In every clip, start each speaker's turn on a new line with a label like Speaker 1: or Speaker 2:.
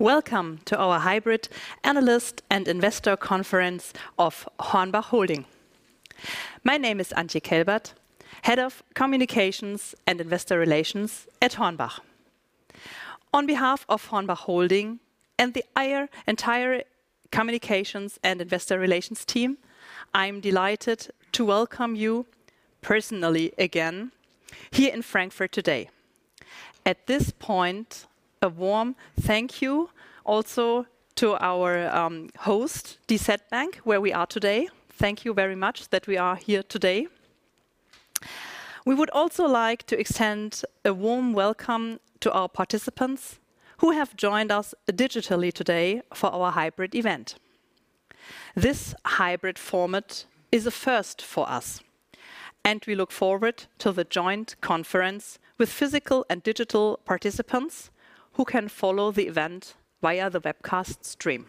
Speaker 1: Welcome to our Hybrid Analyst and Investor Conference of HORNBACH Holding. My name is Antje Kelbert, Head of Communications and Investor Relations at HORNBACH. On behalf of HORNBACH Holding and the entire Communications and Investor Relations team, I'm delighted to welcome you personally again here in Frankfurt today. At this point, a warm thank you also to our host, DZ Bank, where we are today. Thank you very much that we are here today. We would also like to extend a warm welcome to our participants who have joined us digitally today for our hybrid event. This hybrid format is a first for us, and we look forward to the joint conference with physical and digital participants who can follow the event via the webcast stream.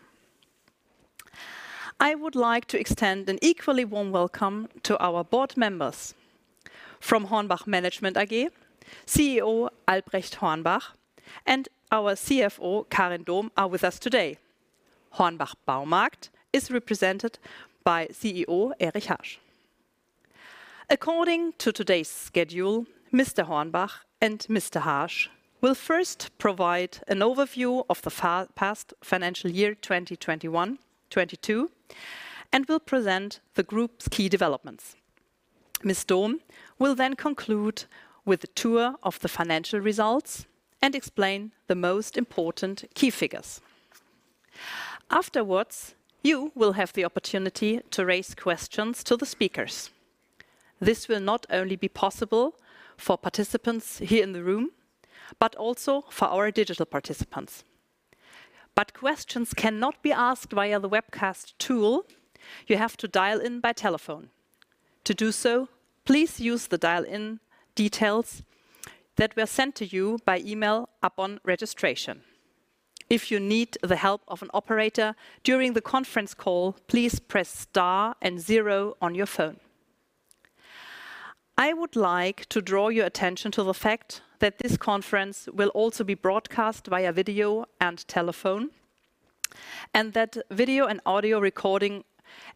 Speaker 1: I would like to extend an equally warm welcome to our board members. From HORNBACH Management AG, CEO Albrecht Hornbach, and our CFO, Karin Dohm, are with us today. HORNBACH Baumarkt AG is represented by CEO Erich Harsch. According to today's schedule, Mr. Hornbach and Mr. Harsch will first provide an overview of the past financial year 2021-2022, and will present the group's key developments. Ms. Dohm will then conclude with a tour of the financial results and explain the most important key figures. Afterwards, you will have the opportunity to raise questions to the speakers. This will not only be possible for participants here in the room, but also for our digital participants. Questions cannot be asked via the webcast tool. You have to dial in by telephone. To do so, please use the dial-in details that were sent to you by email upon registration. If you need the help of an operator during the conference call, please press star and zero on your phone. I would like to draw your attention to the fact that this conference will also be broadcast via video and telephone, and that video and audio recording,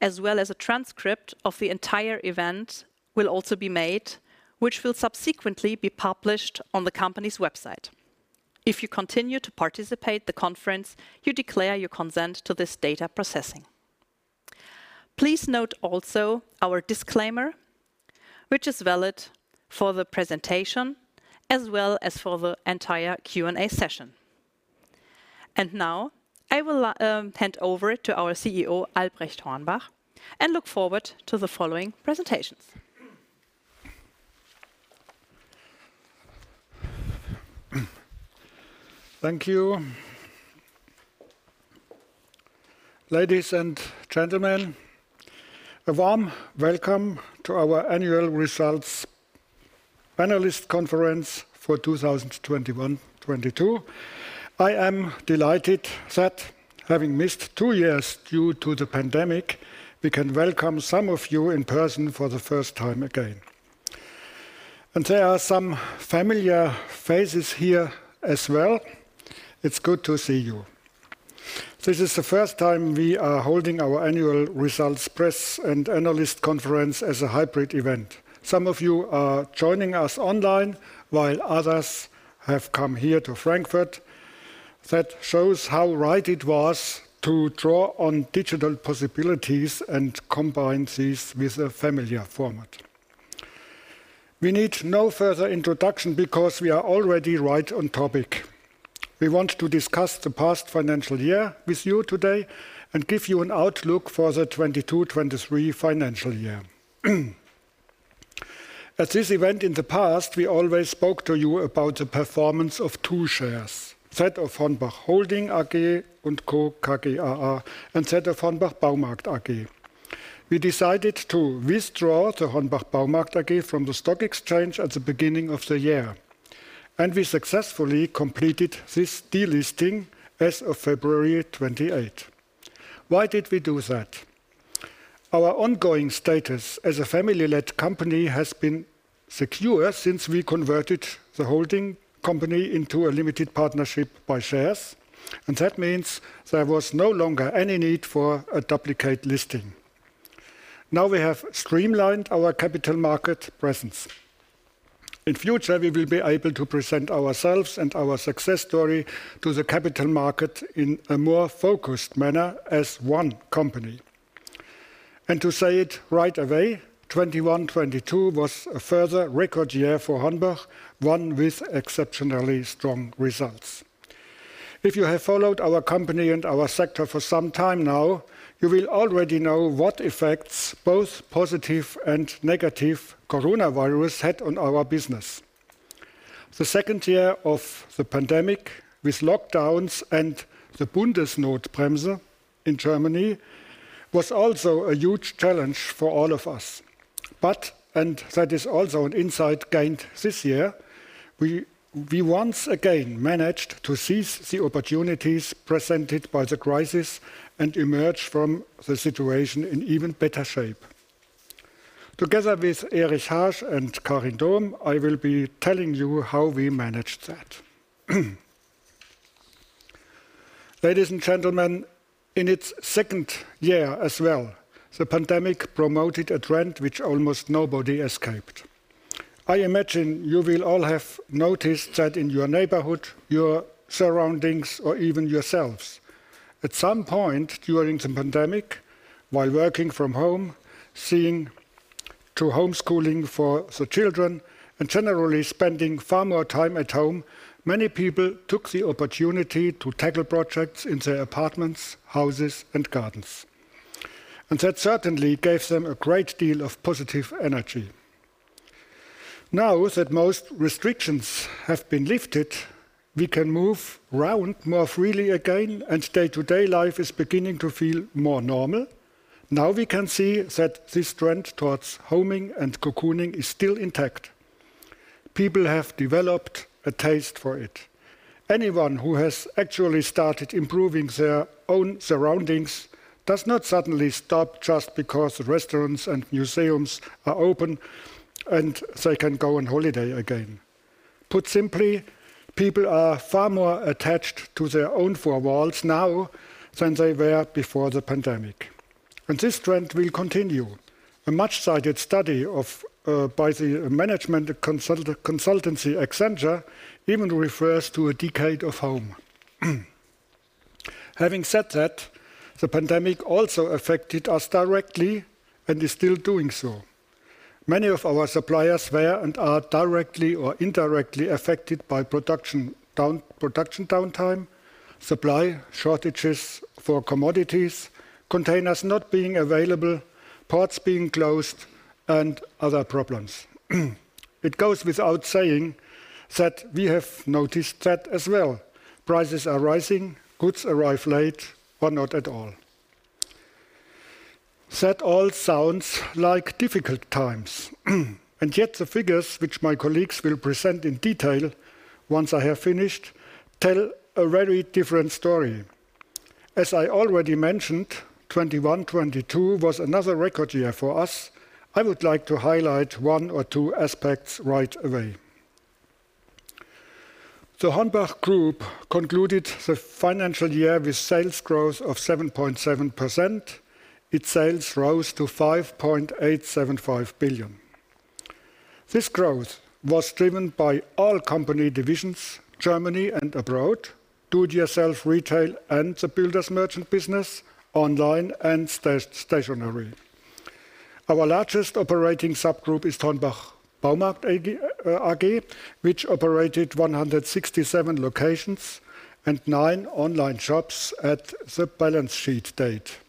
Speaker 1: as well as a transcript of the entire event, will also be made, which will subsequently be published on the company's website. If you continue to participate in the conference, you declare your consent to this data processing. Please note also our disclaimer, which is valid for the presentation as well as for the entire Q&A session. Now, I will hand over to our CEO, Albrecht Hornbach, and look forward to the following presentations.
Speaker 2: Thank you. Ladies and gentlemen, a warm welcome to our annual results analyst conference for 2021-2022. I am delighted that, having missed two years due to the pandemic, we can welcome some of you in person for the first time again. There are some familiar faces here as well. It's good to see you. This is the first time we are holding our annual results press and analyst conference as a hybrid event. Some of you are joining us online, while others have come here to Frankfurt. That shows how right it was to draw on digital possibilities and combine these with a familiar format. We need no further introduction because we are already right on topic. We want to discuss the past financial year with you today and give you an outlook for the 2022/2023 financial year. At this event in the past, we always spoke to you about the performance of two shares. That of HORNBACH Holding AG & Co. KGaA and that of HORNBACH Baumarkt AG. We decided to withdraw the HORNBACH Baumarkt AG from the stock exchange at the beginning of the year, and we successfully completed this delisting as of February 28. Why did we do that? Our ongoing status as a family-led company has been secure since we converted the holding company into a limited partnership by shares, and that means there was no longer any need for a duplicate listing. Now we have streamlined our capital market presence. In future, we will be able to present ourselves and our success story to the capital market in a more focused manner as one company. To say it right away, 2021-2022 was a further record year for HORNBACH, one with exceptionally strong results. If you have followed our company and our sector for some time now, you will already know what effects, both positive and negative, coronavirus had on our business. The second year of the pandemic with lockdowns and the Bundes-Notbremse in Germany was also a huge challenge for all of us. And that is also an insight gained this year, we once again managed to seize the opportunities presented by the crisis and emerge from the situation in even better shape. Together with Erich Harsch and Karin Dohm, I will be telling you how we managed that. Ladies and gentlemen, in its second year as well, the pandemic promoted a trend which almost nobody escaped. I imagine you will all have noticed that in your neighborhood, your surroundings, or even yourselves. At some point during the pandemic, while working from home, seeing to homeschooling for the children, and generally spending far more time at home, many people took the opportunity to tackle projects in their apartments, houses, and gardens. That certainly gave them a great deal of positive energy. Now that most restrictions have been lifted, we can move around more freely again, and day to day life is beginning to feel more normal. Now, we can see that this trend towards homing and cocooning is still intact. People have developed a taste for it. Anyone who has actually started improving their own surroundings does not suddenly stop just because restaurants and museums are open and they can go on holiday again. Put simply, people are far more attached to their own four walls now than they were before the pandemic, and this trend will continue. A much-cited study by the management consultancy Accenture even refers to a decade of home. Having said that, the pandemic also affected us directly and is still doing so. Many of our suppliers were and are directly or indirectly affected by production downtime, supply shortages for commodities, containers not being available, ports being closed, and other problems. It goes without saying that we have noticed that as well. Prices are rising, goods arrive late, or not at all. That all sounds like difficult times. Yet the figures, which my colleagues will present in detail once I have finished, tell a very different story. As I already mentioned, 2021-2022 was another record year for us. I would like to highlight one or two aspects right away. The HORNBACH Group concluded the financial year with sales growth of 7.7%. Its sales rose to 5.875 billion. This growth was driven by all company divisions, Germany and abroad, do-it-yourself retail and the builders merchant business, online and stationary. Our largest operating subgroup is HORNBACH Baumarkt AG, which operated 167 locations and nine online shops at the balance sheet date.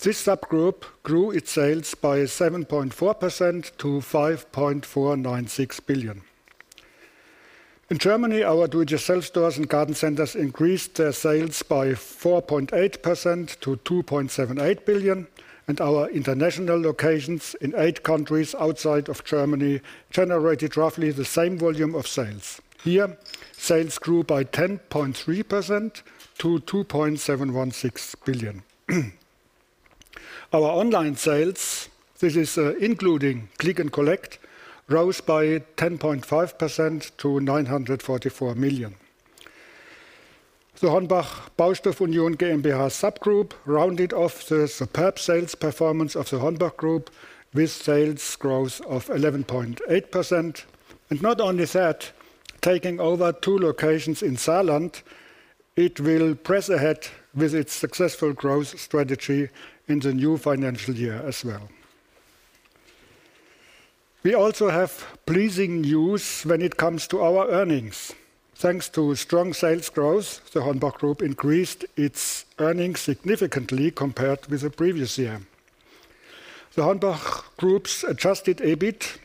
Speaker 2: This subgroup grew its sales by 7.4% to 5.496 billion. In Germany, our do-it-yourself stores and garden centers increased their sales by 4.8% to 2.78 billion, and our international locations in eight countries outside of Germany generated roughly the same volume of sales. Here, sales grew by 10.3% to 2.716 billion. Our online sales, this is, including click and collect, rose by 10.5% to 944 million. The HORNBACH Baustoff Union GmbH subgroup rounded off the superb sales performance of the HORNBACH Group with sales growth of 11.8%. Not only that, taking over two locations in Saarland, it will press ahead with its successful growth strategy in the new financial year as well. We also have pleasing news when it comes to our earnings. Thanks to strong sales growth, the HORNBACH Group increased its earnings significantly compared with the previous year. The HORNBACH Group's adjusted EBIT,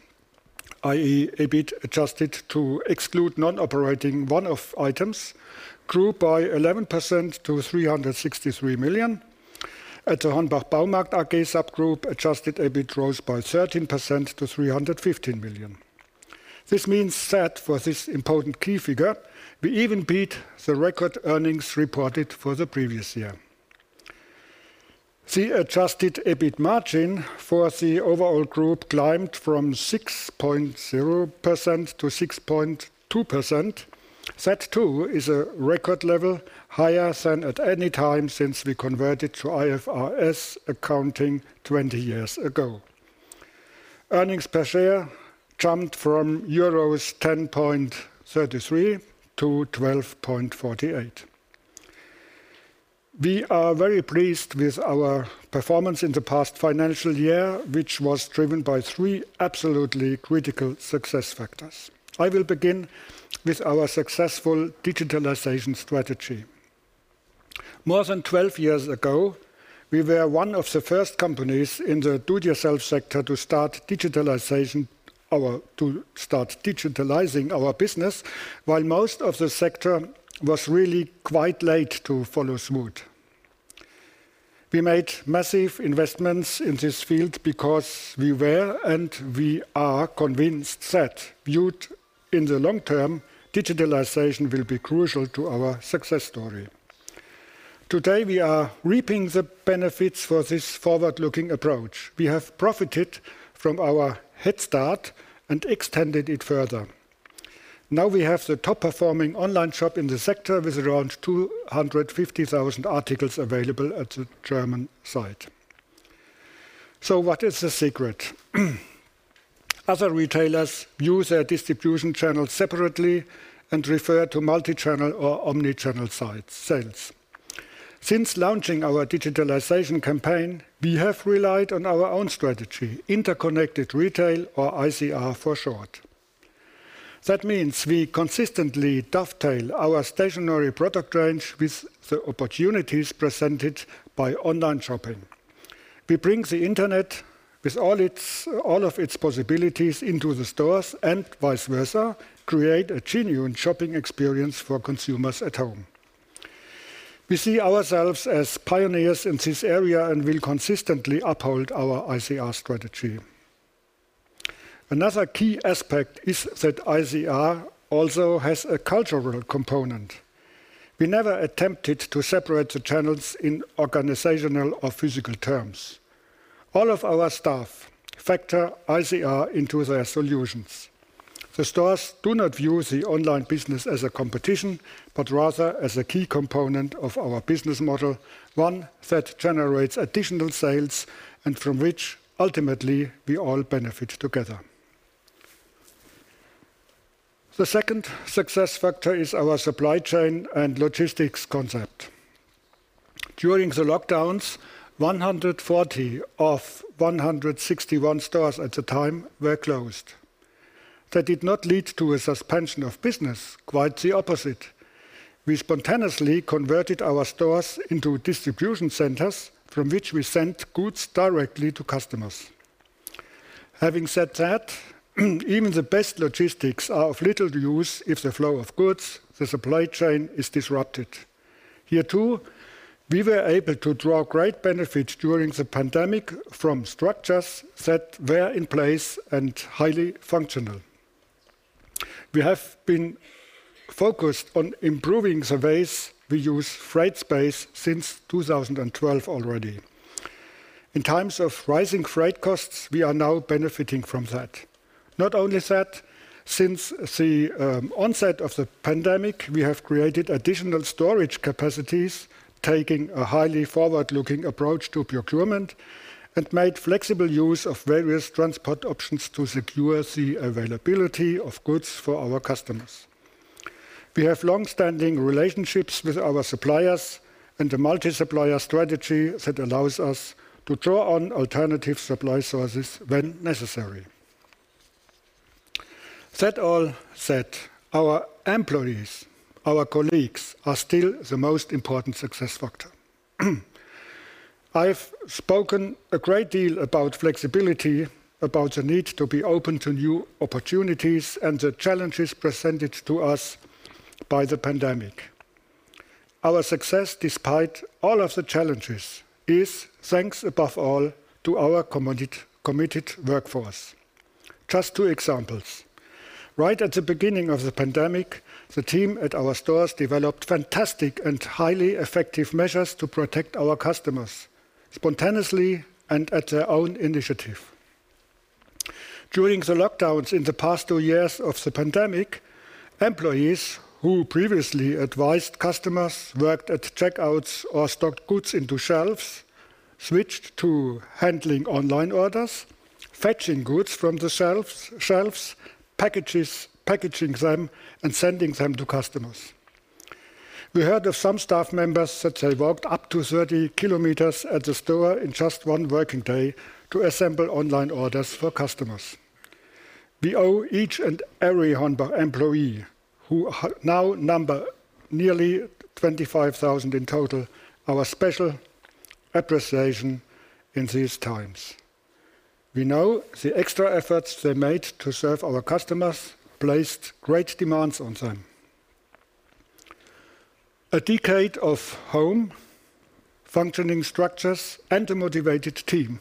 Speaker 2: i.e., EBIT adjusted to exclude non-operating one-off items, grew by 11% to 363 million. At the HORNBACH Baumarkt AG subgroup, adjusted EBIT rose by 13% to 315 million. This means that for this important key figure, we even beat the record earnings reported for the previous year. The adjusted EBIT margin for the overall group climbed from 6.0% to 6.2%. That, too, is a record level, higher than at any time since we converted to IFRS accounting 20 years ago. Earnings per share jumped from euros 10.33 to 12.48. We are very pleased with our performance in the past financial year, which was driven by three absolutely critical success factors. I will begin with our successful digitalization strategy. More than 12 years ago, we were one of the first companies in the do-it-yourself sector to start digitalizing our business while most of the sector was really quite late to follow suit. We made massive investments in this field because we were, and we are convinced that viewed in the long term, digitalization will be crucial to our success story. Today we are reaping the benefits of this forward-looking approach. We have profited from our head start and extended it further. Now we have the top-performing online shop in the sector with around 250,000 articles available at the German site. What is the secret? Other retailers view their distribution channels separately and refer to multi-channel or omni-channel site sales. Since launching our digitalization campaign, we have relied on our own strategy, interconnected retail or ICR for short. That means we consistently dovetail our stationary product range with the opportunities presented by online shopping. We bring the Internet with all of its possibilities into the stores, and vice versa, create a genuine shopping experience for consumers at home. We see ourselves as pioneers in this area and will consistently uphold our ICR strategy. Another key aspect is that ICR also has a cultural component. We never attempted to separate the channels in organizational or physical terms. All of our staff factor ICR into their solutions. The stores do not view the online business as a competition, but rather as a key component of our business model, one that generates additional sales and from which ultimately we all benefit together. The second success factor is our supply chain and logistics concept. During the lockdowns, 140 of 161 stores at the time were closed. That did not lead to a suspension of business, quite the opposite. We spontaneously converted our stores into distribution centers from which we sent goods directly to customers. Having said that, even the best logistics are of little use if the flow of goods, the supply chain, is disrupted. Here, too, we were able to draw great benefit during the pandemic from structures that were in place and highly functional. We have been focused on improving the ways we use freight space since 2012 already. In times of rising freight costs, we are now benefiting from that. Not only that, since the onset of the pandemic, we have created additional storage capacities, taking a highly forward-looking approach to procurement and made flexible use of various transport options to secure the availability of goods for our customers. We have long-standing relationships with our suppliers and a multi-supplier strategy that allows us to draw on alternative supply sources when necessary. That all said, our employees, our colleagues, are still the most important success factor. I've spoken a great deal about flexibility, about the need to be open to new opportunities, and the challenges presented to us by the pandemic. Our success, despite all of the challenges, is thanks above all to our committed workforce. Just two examples. Right at the beginning of the pandemic, the team at our stores developed fantastic and highly effective measures to protect our customers spontaneously and at their own initiative. During the lockdowns in the past two years of the pandemic, employees who previously advised customers, worked at checkouts, or stocked goods into shelves, switched to handling online orders, fetching goods from the shelves, packaging them, and sending them to customers. We heard of some staff members that they walked up to 30 km at the store in just one working day to assemble online orders for customers. We owe each and every HORNBACH employee, who now number nearly 25,000 in total, our special appreciation in these times. We know the extra efforts they made to serve our customers placed great demands on them. A decade of home, functioning structures, and a motivated team.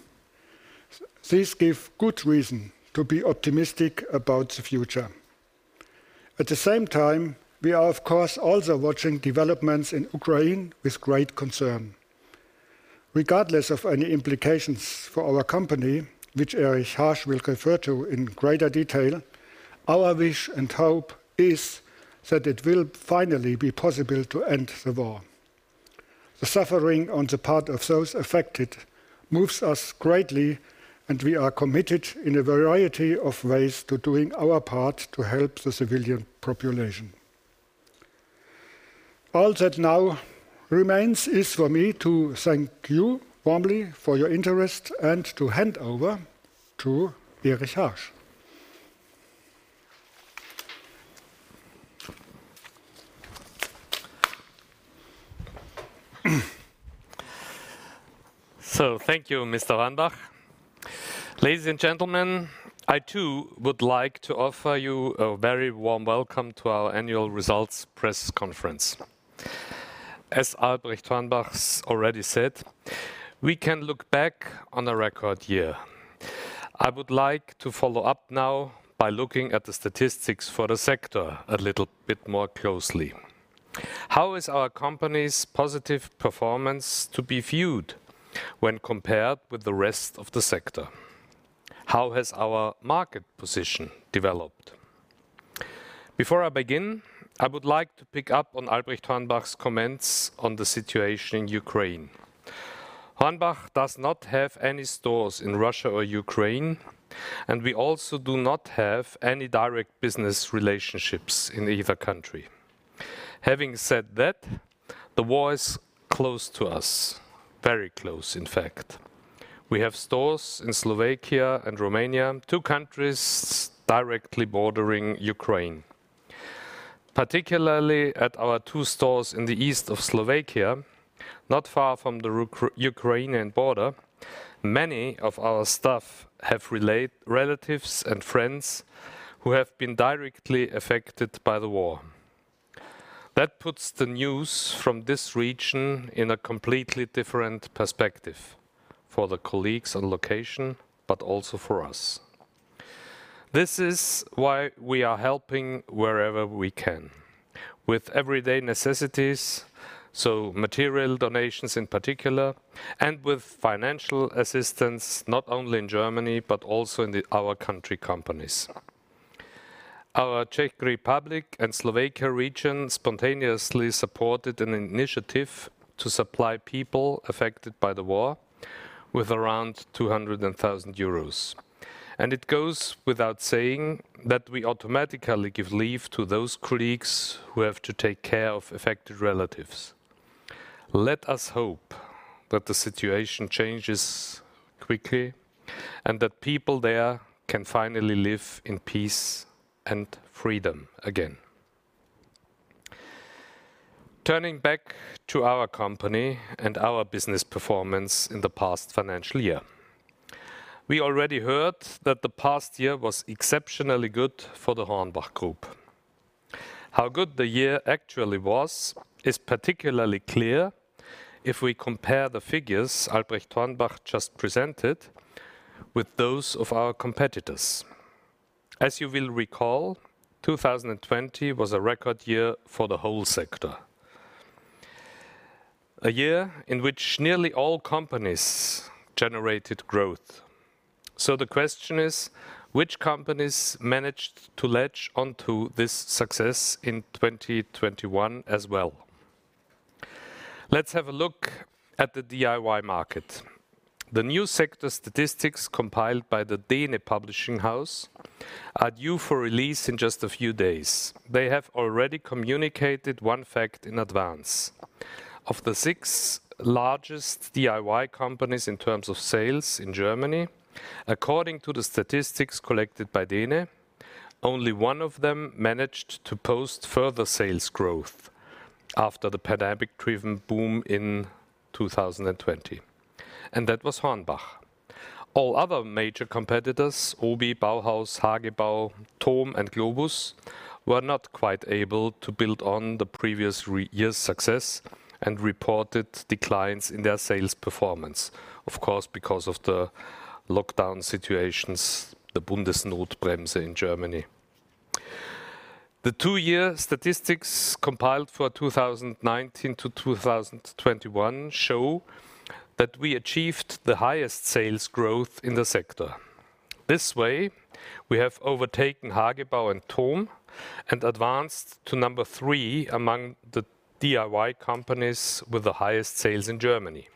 Speaker 2: This give good reason to be optimistic about the future. At the same time, we are, of course, also watching developments in Ukraine with great concern. Regardless of any implications for our company, which Erich Harsch will refer to in greater detail, our wish and hope is that it will finally be possible to end the war. The suffering on the part of those affected moves us greatly, and we are committed in a variety of ways to doing our part to help the civilian population. All that now remains is for me to thank you warmly for your interest and to hand over to Erich Harsch.
Speaker 3: Thank you, Mr. Hornbach. Ladies and gentlemen, I, too, would like to offer you a very warm welcome to our annual results press conference. As Albrecht Hornbach's already said, we can look back on a record year. I would like to follow up now by looking at the statistics for the sector a little bit more closely. How is our company's positive performance to be viewed when compared with the rest of the sector? How has our market position developed? Before I begin, I would like to pick up on Albrecht Hornbach's comments on the situation in Ukraine. HORNBACH does not have any stores in Russia or Ukraine, and we also do not have any direct business relationships in either country. Having said that, the war is close to us. Very close, in fact. We have stores in Slovakia and Romania, two countries directly bordering Ukraine. Particularly at our two stores in the east of Slovakia, not far from the Ukrainian border, many of our staff have relatives and friends who have been directly affected by the war. That puts the news from this region in a completely different perspective for the colleagues on location, but also for us. This is why we are helping wherever we can with everyday necessities, so material donations in particular, and with financial assistance, not only in Germany but also in our country companies. Our Czech Republic and Slovakia region spontaneously supported an initiative to supply people affected by the war with around 200,000 euros. It goes without saying that we automatically give leave to those colleagues who have to take care of affected relatives. Let us hope that the situation changes quickly and that people there can finally live in peace and freedom again. Turning back to our company and our business performance in the past financial year. We already heard that the past year was exceptionally good for the HORNBACH Group. How good the year actually was is particularly clear if we compare the figures Albrecht Hornbach just presented with those of our competitors. As you will recall, 2020 was a record year for the whole sector. A year in which nearly all companies generated growth. The question is, which companies managed to latch onto this success in 2021 as well? Let's have a look at the DIY market. The new sector statistics compiled by the Dähne Verlag are due for release in just a few days. They have already communicated one fact in advance. Of the six largest DIY companies in terms of sales in Germany, according to the statistics collected by Dähne, only one of them managed to post further sales growth after the pandemic-driven boom in 2020, and that was HORNBACH. All other major competitors, OBI, Bauhaus, hagebau, toom, and Globus, were not quite able to build on the previous year's success and reported declines in their sales performance, of course, because of the lockdown situations, the Bundes-Notbremse in Germany. The two-year statistics compiled for 2019 to 2021 show that we achieved the highest sales growth in the sector. This way, we have overtaken hagebau and toom and advanced to number three among the DIY companies with the highest sales in Germany.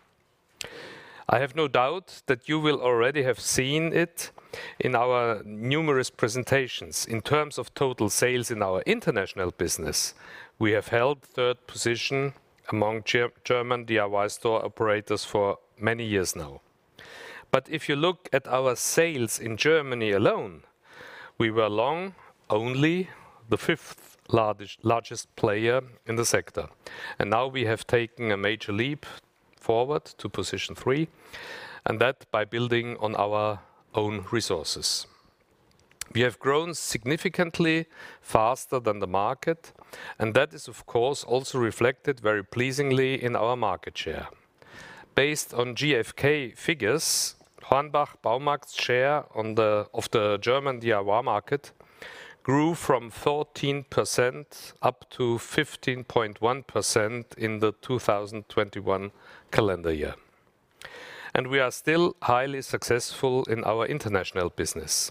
Speaker 3: I have no doubt that you will already have seen it in our numerous presentations. In terms of total sales in our international business, we have held third position among German DIY store operators for many years now. If you look at our sales in Germany alone, we were long only the fifth largest player in the sector. Now we have taken a major leap forward to position three, and that by building on our own resources. We have grown significantly faster than the market, and that is, of course, also reflected very pleasingly in our market share. Based on GfK figures, HORNBACH Baumarkt's share of the German DIY market grew from 14% up to 15.1% in the 2021 calendar year. We are still highly successful in our international business.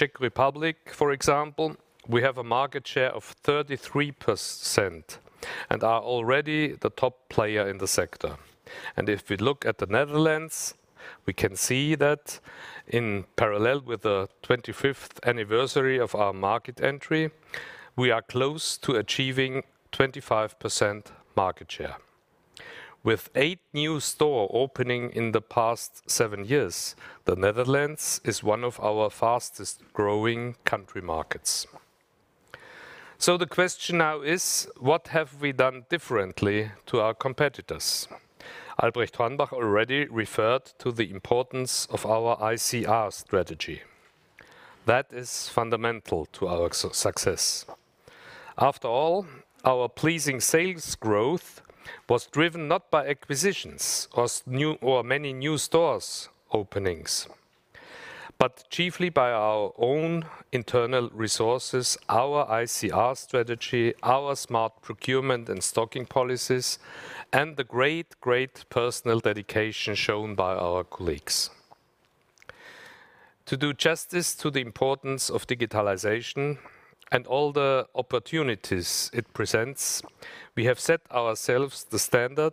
Speaker 3: In the Czech Republic, for example, we have a market share of 33% and are already the top player in the sector. If we look at the Netherlands, we can see that in parallel with the 25th anniversary of our market entry, we are close to achieving 25% market share. With eight new store openings in the past seven years, the Netherlands is one of our fastest-growing country markets. The question now is: What have we done differently to our competitors? Albrecht Hornbach already referred to the importance of our ICR strategy. That is fundamental to our success. After all, our pleasing sales growth was driven not by acquisitions or many new store openings, but chiefly by our own internal resources, our ICR strategy, our smart procurement and stocking policies, and the great personal dedication shown by our colleagues. To do justice to the importance of digitalization and all the opportunities it presents, we have set ourselves the standard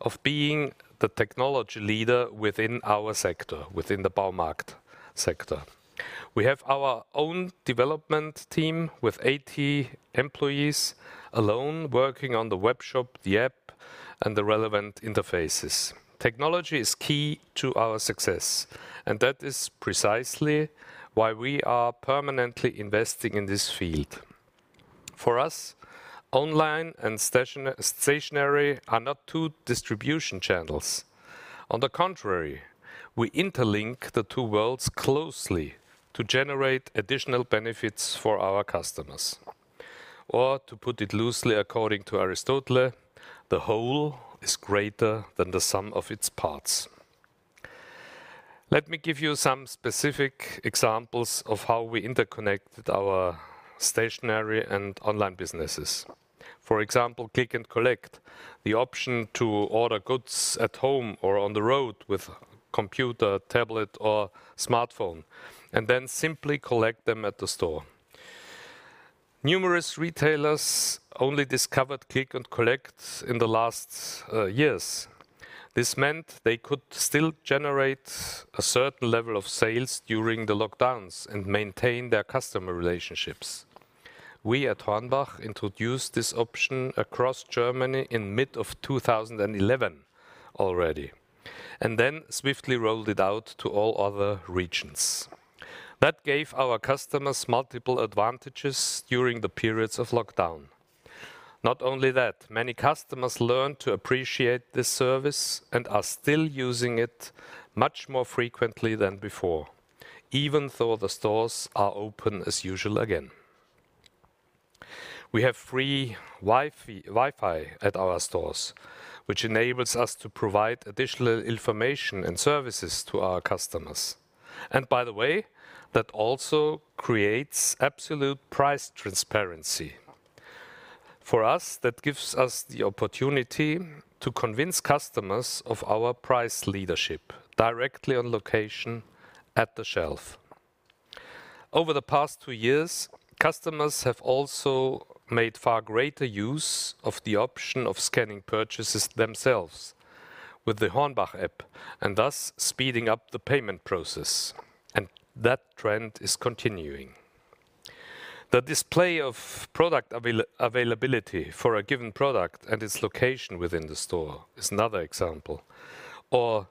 Speaker 3: of being the technology leader within our sector, within the Baumarkt sector. We have our own development team with 80 employees alone working on the webshop, the app, and the relevant interfaces. Technology is key to our success, and that is precisely why we are permanently investing in this field. For us, online and stationary are not two distribution channels. On the contrary, we interlink the two worlds closely to generate additional benefits for our customers. Or, to put it loosely according to Aristotle, "The whole is greater than the sum of its parts." Let me give you some specific examples of how we interconnected our stationary and online businesses. For example, click and collect, the option to order goods at home or on the road with computer, tablet, or smartphone, and then simply collect them at the store. Numerous retailers only discovered click and collect in the last years. This meant they could still generate a certain level of sales during the lockdowns and maintain their customer relationships. We at HORNBACH introduced this option across Germany in mid of 2011 already, and then swiftly rolled it out to all other regions. That gave our customers multiple advantages during the periods of lockdown. Not only that, many customers learned to appreciate this service and are still using it much more frequently than before, even though the stores are open as usual again. We have free Wi-Fi at our stores, which enables us to provide additional information and services to our customers. By the way, that also creates absolute price transparency. For us, that gives us the opportunity to convince customers of our price leadership directly on location at the shelf. Over the past two years, customers have also made far greater use of the option of scanning purchases themselves with the HORNBACH app, and thus speeding up the payment process, and that trend is continuing. The display of product availability for a given product and its location within the store is another example. Or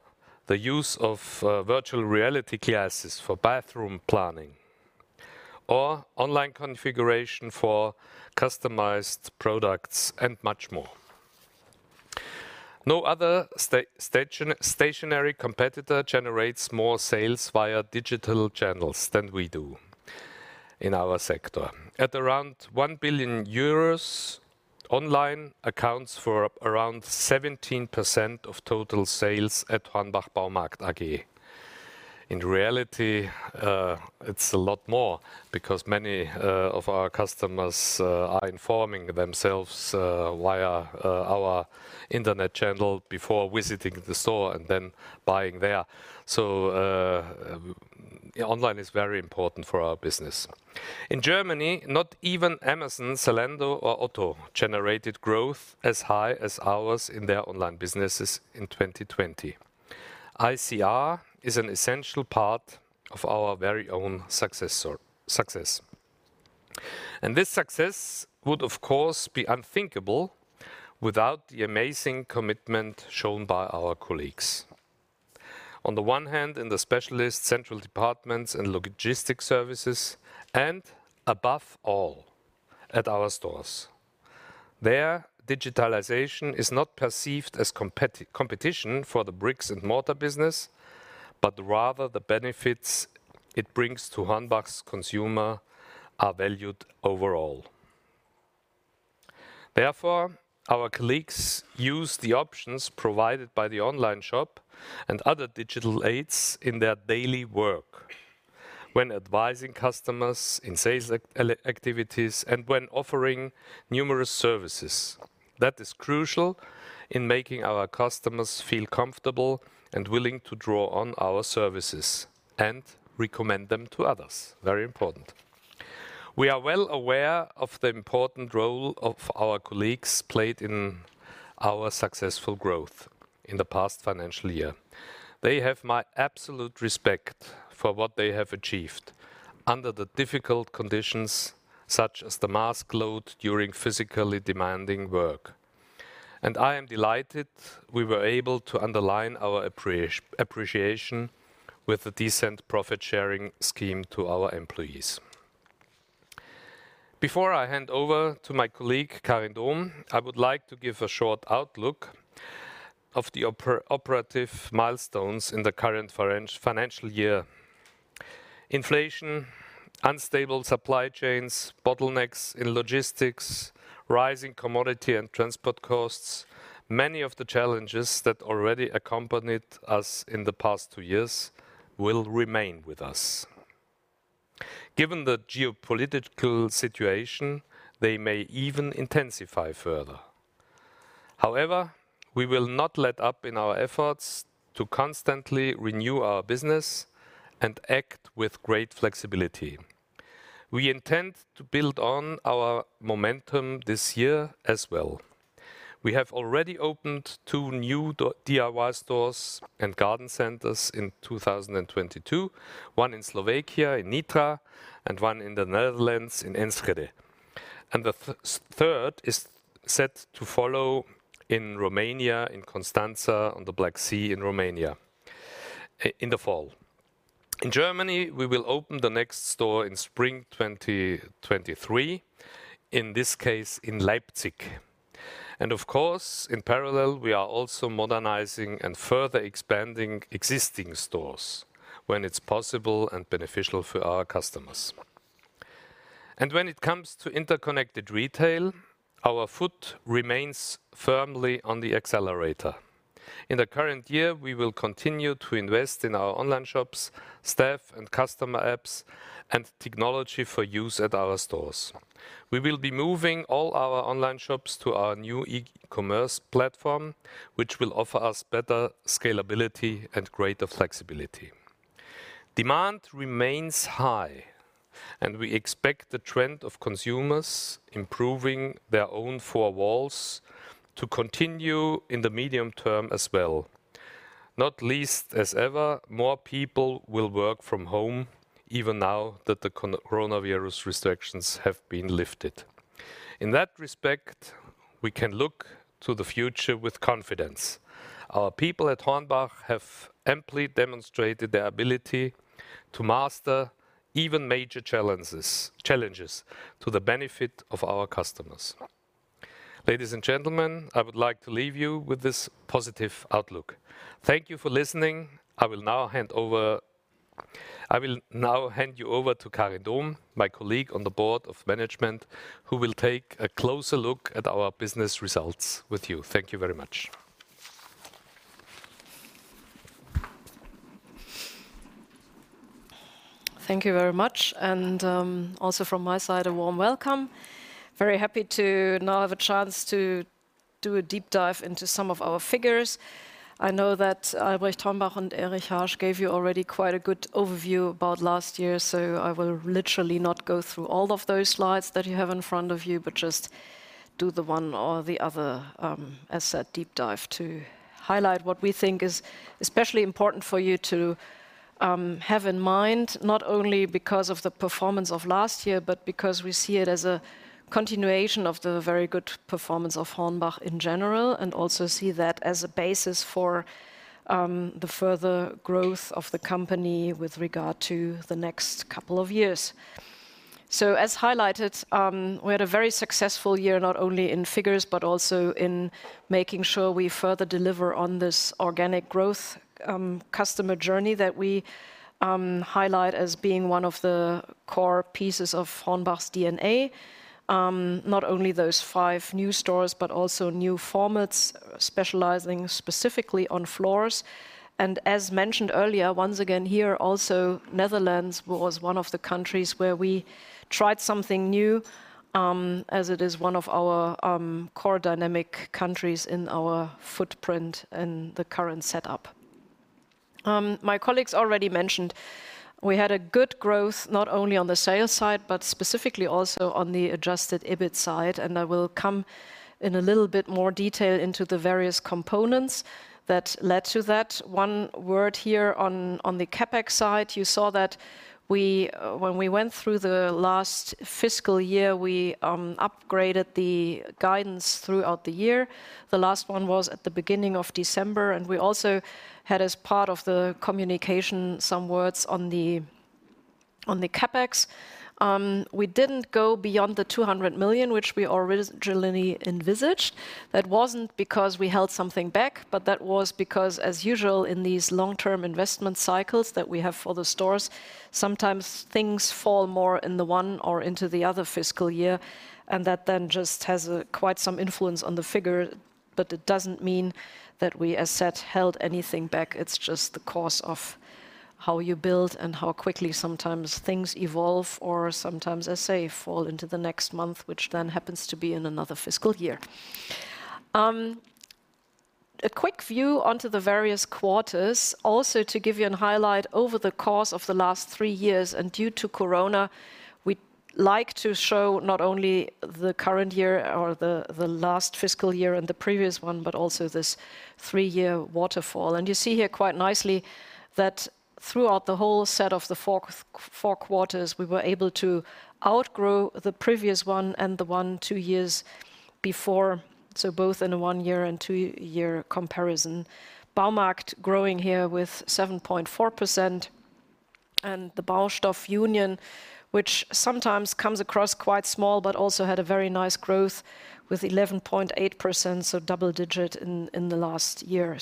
Speaker 3: the use of virtual reality glasses for bathroom planning, or online configuration for customized products, and much more. No other stationary competitor generates more sales via digital channels than we do in oursector. At around 1 billion euros, online accounts for around 17% of total sales at HORNBACH Baumarkt AG. In reality, it's a lot more because many of our customers are informing themselves via our internet channel before visiting the store and then buying there. Online is very important for our business. In Germany, not even Amazon, Zalando, or Otto generated growth as high as ours in their online businesses in 2020. ICR is an essential part of our very own success. This success would, of course, be unthinkable without the amazing commitment shown by our colleagues. On the one hand, in the specialist central departments and logistics services and, above all, at our stores. There, digitalization is not perceived as competition for the bricks-and-mortar business, but rather the benefits it brings to HORNBACH's customers are valued overall. Therefore, our colleagues use the options provided by the online shop and other digital aids in their daily work when advising customers in sales activities and when offering numerous services. That is crucial in making our customers feel comfortable and willing to draw on our services and recommend them to others. Very important. We are well aware of the important role of our colleagues played in our successful growth in the past financial year. They have my absolute respect for what they have achieved under the difficult conditions, such as the mask load during physically demanding work. I am delighted we were able to underline our appreciation with a decent profit-sharing scheme to our employees. Before I hand over to my colleague, Karin Dohm, I would like to give a short outlook of the operative milestones in the current financial year. Inflation, unstable supply chains, bottlenecks in logistics, rising commodity and transport costs, many of the challenges that already accompanied us in the past two years will remain with us. Given the geopolitical situation, they may even intensify further. However, we will not let up in our efforts to constantly renew our business and act with great flexibility. We intend to build on our momentum this year as well. We have already opened two new DIY stores and garden centers in 2022, one in Slovakia, in Nitra, and one in the Netherlands, in Enschede. The third is set to follow in Romania, in Constanța, on the Black Sea in Romania, in the fall. In Germany, we will open the next store in spring 2023, in this case, in Leipzig. Of course, in parallel, we are also modernizing and further expanding existing stores when it's possible and beneficial for our customers. When it comes to interconnected retail, our foot remains firmly on the accelerator. In the current year, we will continue to invest in our online shops, staff, and customer apps and technology for use at our stores. We will be moving all our online shops to our new e-commerce platform, which will offer us better scalability and greater flexibility. Demand remains high, and we expect the trend of consumers improving their own four walls to continue in the medium term as well. Not least as ever, more people will work from home even now that the co-coronavirus restrictions have been lifted. In that respect, we can look to the future with confidence. Our people at HORNBACH have amply demonstrated their ability to master even major challenges to the benefit of our customers. Ladies and gentlemen, I would like to leave you with this positive outlook. Thank you for listening. I will now hand you over to Karin Dohm, my colleague on the board of management, who will take a closer look at our business results with you. Thank you very much.
Speaker 4: Thank you very much, and also from my side, a warm welcome. Very happy to now have a chance to do a deep dive into some of our figures. I know that Albrecht Hornbach and Erich Harsch gave you already quite a good overview about last year, so I will literally not go through all of those slides that you have in front of you, but just do the one or the other, as a deep dive to highlight what we think is especially important for you to have in mind, not only because of the performance of last year but because we see it as a continuation of the very good performance of HORNBACH in general and also see that as a basis for the further growth of the company with regard to the next couple of years. As highlighted, we had a very successful year, not only in figures but also in making sure we further deliver on this organic growth, customer journey that we highlight as being one of the core pieces of HORNBACH's DNA. Not only those five new stores but also new formats specializing specifically on floors. As mentioned earlier, once again here also, Netherlands was one of the countries where we tried something new, as it is one of our core dynamic countries in our footprint and the current setup. My colleagues already mentioned we had a good growth, not only on the sales side, but specifically also on the adjusted EBIT side, and I will come in a little bit more detail into the various components that led to that. One word here on the CapEx side. You saw that we, when we went through the last fiscal year, upgraded the guidance throughout the year. The last one was at the beginning of December, and we also had, as part of the communication, some words on the CapEx. We didn't go beyond 200 million, which we originally envisaged. That wasn't because we held something back, but that was because, as usual, in these long-term investment cycles that we have for the stores, sometimes things fall more in the one or into the other fiscal year, and that then just has quite some influence on the figure. It doesn't mean that we, as said, held anything back. It's just the course of how you build and how quickly sometimes things evolve or sometimes, as say, fall into the next month, which then happens to be in another fiscal year. A quick view onto the various quarters. Also, to give you a highlight over the course of the last three years and due to corona, we like to show not only the current year or the last fiscal year and the previous one but also this three-year waterfall. You see here quite nicely that throughout the whole set of the four quarters, we were able to outgrow the previous one and the one two years before, so both in a one-year and two-year comparison. Baumarkt growing here with 7.4%, and the Baustoff Union, which sometimes comes across quite small, but also had a very nice growth with 11.8%, so double-digit in the last year.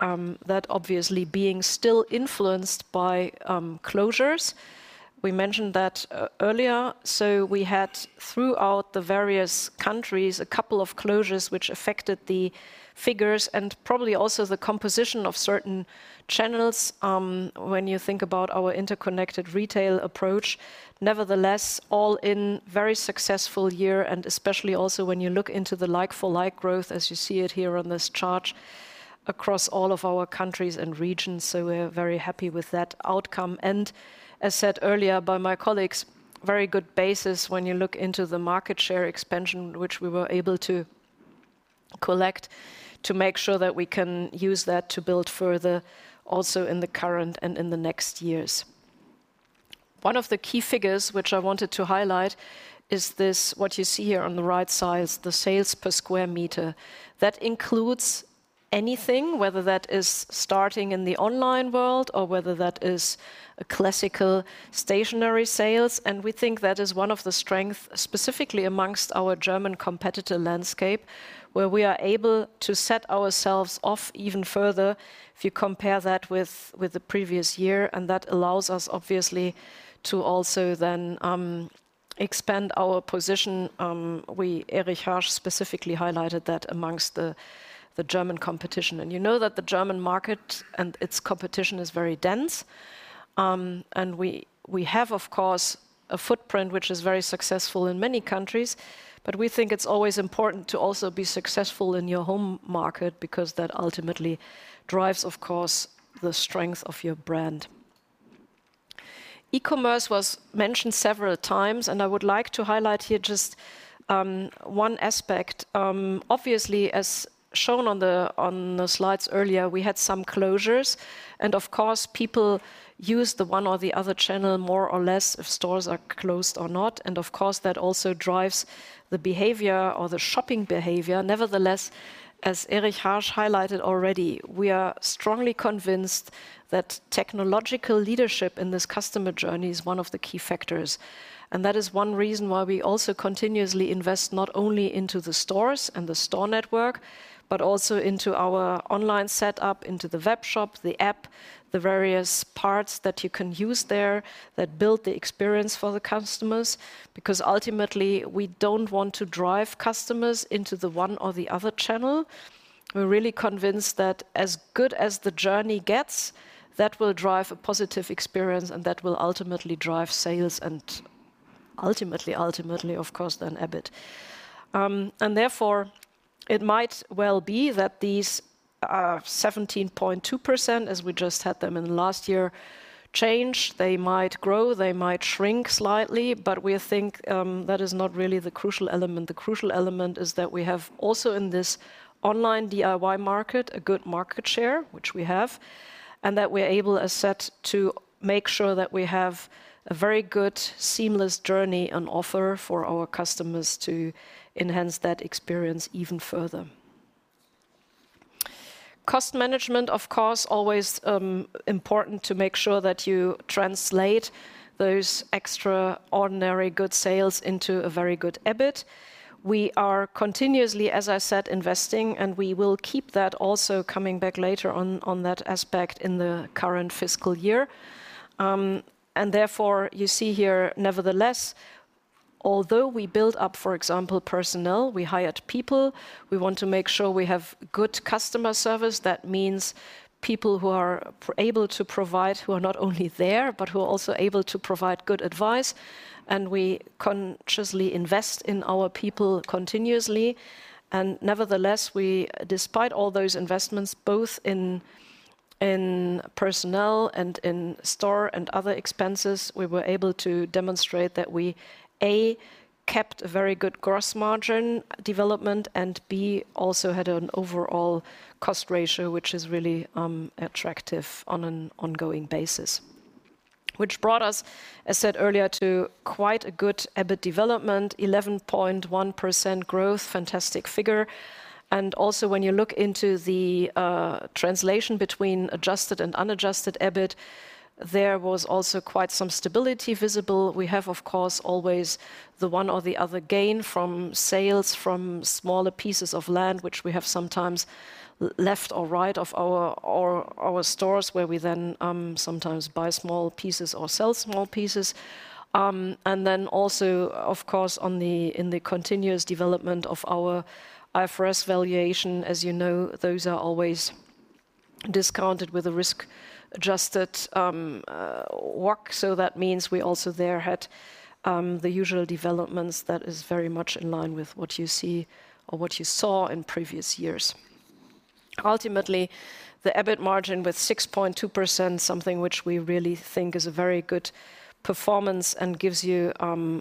Speaker 4: That obviously being still influenced by closures. We mentioned that earlier. We had, throughout the various countries, a couple of closures which affected the figures and probably also the composition of certain channels, when you think about our interconnected retail approach. Nevertheless, all in, very successful year, and especially also when you look into the like-for-like growth as you see it here on this chart across all of our countries and regions. We're very happy with that outcome. As said earlier by my colleagues, very good basis when you look into the market share expansion, which we were able to collect, to make sure that we can use that to build further also in the current and in the next years. One of the key figures which I wanted to highlight is this, what you see here on the right side is the sales per square meter. That includes anything, whether that is starting in the online world or whether that is a classical stationary sales. We think that is one of the strength, specifically among our German competitor landscape, where we are able to set ourselves off even further if you compare that with the previous year. That allows us, obviously, to also then expand our position. Erich Harsch specifically highlighted that among the German competition. You know that the German market and its competition is very dense. We have, of course, a footprint which is very successful in many countries, but we think it's always important to also be successful in your home market because that ultimately drives, of course, the strength of your brand. E-commerce was mentioned several times, and I would like to highlight here just one aspect Obviously, as shown on the slides earlier, we had some closures. Of course, people use the one or the other channel more or less if stores are closed or not. Of course, that also drives the behavior or the shopping behavior. Nevertheless, as Erich Harsch highlighted already, we are strongly convinced that technological leadership in this customer journey is one of the key factors. That is one reason why we also continuously invest not only into the stores and the store network, but also into our online set up, into the web shop, the app, the various parts that you can use there that build the experience for the customers. Because ultimately, we don't want to drive customers into the one or the other channel. We're really convinced that as good as the journey gets, that will drive a positive experience and that will ultimately drive sales and ultimately, of course, then EBIT. Therefore, it might well be that these 17.2%, as we just had them in last year, change. They might grow, they might shrink slightly, but we think that is not really the crucial element. The crucial element is that we have also in this online DIY market, a good market share, which we have, and that we're able, as said, to make sure that we have a very good, seamless journey on offer for our customers to enhance that experience even further. Cost management, of course, always important to make sure that you translate those extraordinary good sales into a very good EBIT. We are continuously, as I said, investing, and we will keep that also coming back later on that aspect in the current fiscal year. Therefore, you see here, nevertheless, although we build up, for example, personnel, we hired people, we want to make sure we have good customer service. That means people who are able to provide, who are not only there, but who are also able to provide good advice. We consciously invest in our people continuously. Nevertheless, we, despite all those investments, both in personnel and in store and other expenses, we were able to demonstrate that we, A, kept a very good gross margin development, and B, also had an overall cost ratio which is really attractive on an ongoing basis. Which brought us, as said earlier, to quite a good EBIT development, 11.1% growth, fantastic figure. Also, when you look into the translation between adjusted and unadjusted EBIT, there was also quite some stability visible. We have, of course, always the one or the other gain from sales from smaller pieces of land, which we have sometimes left or right of our stores, where we then sometimes buy small pieces or sell small pieces. Also, of course, in the continuous development of our IFRS valuation. As you know, those are always discounted with a risk-adjusted rate. That means we also there had the usual developments that is very much in line with what you see or what you saw in previous years. Ultimately, the EBIT margin with 6.2%, something which we really think is a very good performance and gives you,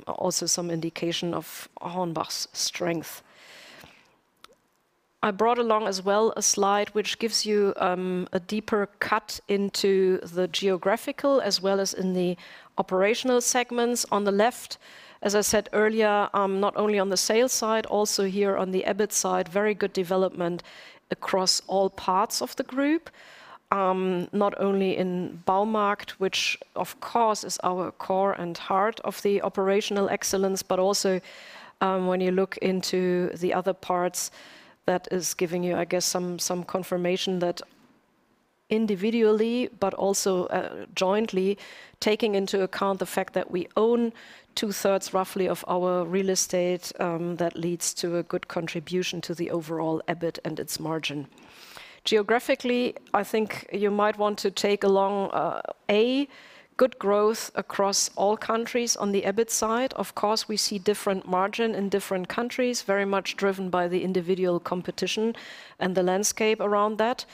Speaker 4: also some indication of HORNBACH's strength. I brought along as well a slide which gives you, a deeper cut into the geographical as well as in the operational segments. On the left, as I said earlier, not only on the sales side, also here on the EBIT side, very good development across all parts of the group. Not only in Baumarkt, which of course is our core and heart of the operational excellence, but also, when you look into the other parts that is giving you, I guess, some confirmation that individually but also, jointly taking into account the fact that we own two-thirds roughly of our real estate, that leads to a good contribution to the overall EBIT and its margin. Geographically, I think you might want to take along, good growth across all countries on the EBIT side. Of course, we see different margin in different countries, very much driven by the individual competition and the landscape around that.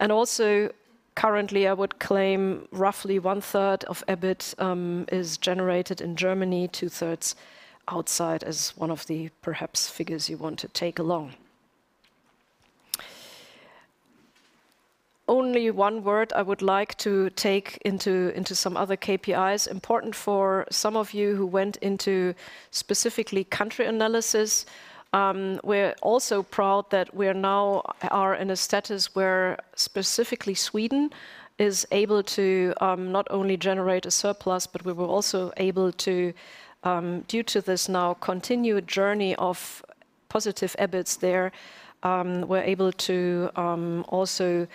Speaker 4: Also currently, I would claim roughly one-third of EBIT, is generated in Germany, two-thirds outside as one of the perhaps figures you want to take along. Only one word I would like to take into some other KPIs. Important for some of you who went into specifically country analysis, we're also proud that we are now in a status where specifically Sweden is able to not only generate a surplus, but we were also able to due to this now continued journey of positive EBITs there, we're able to also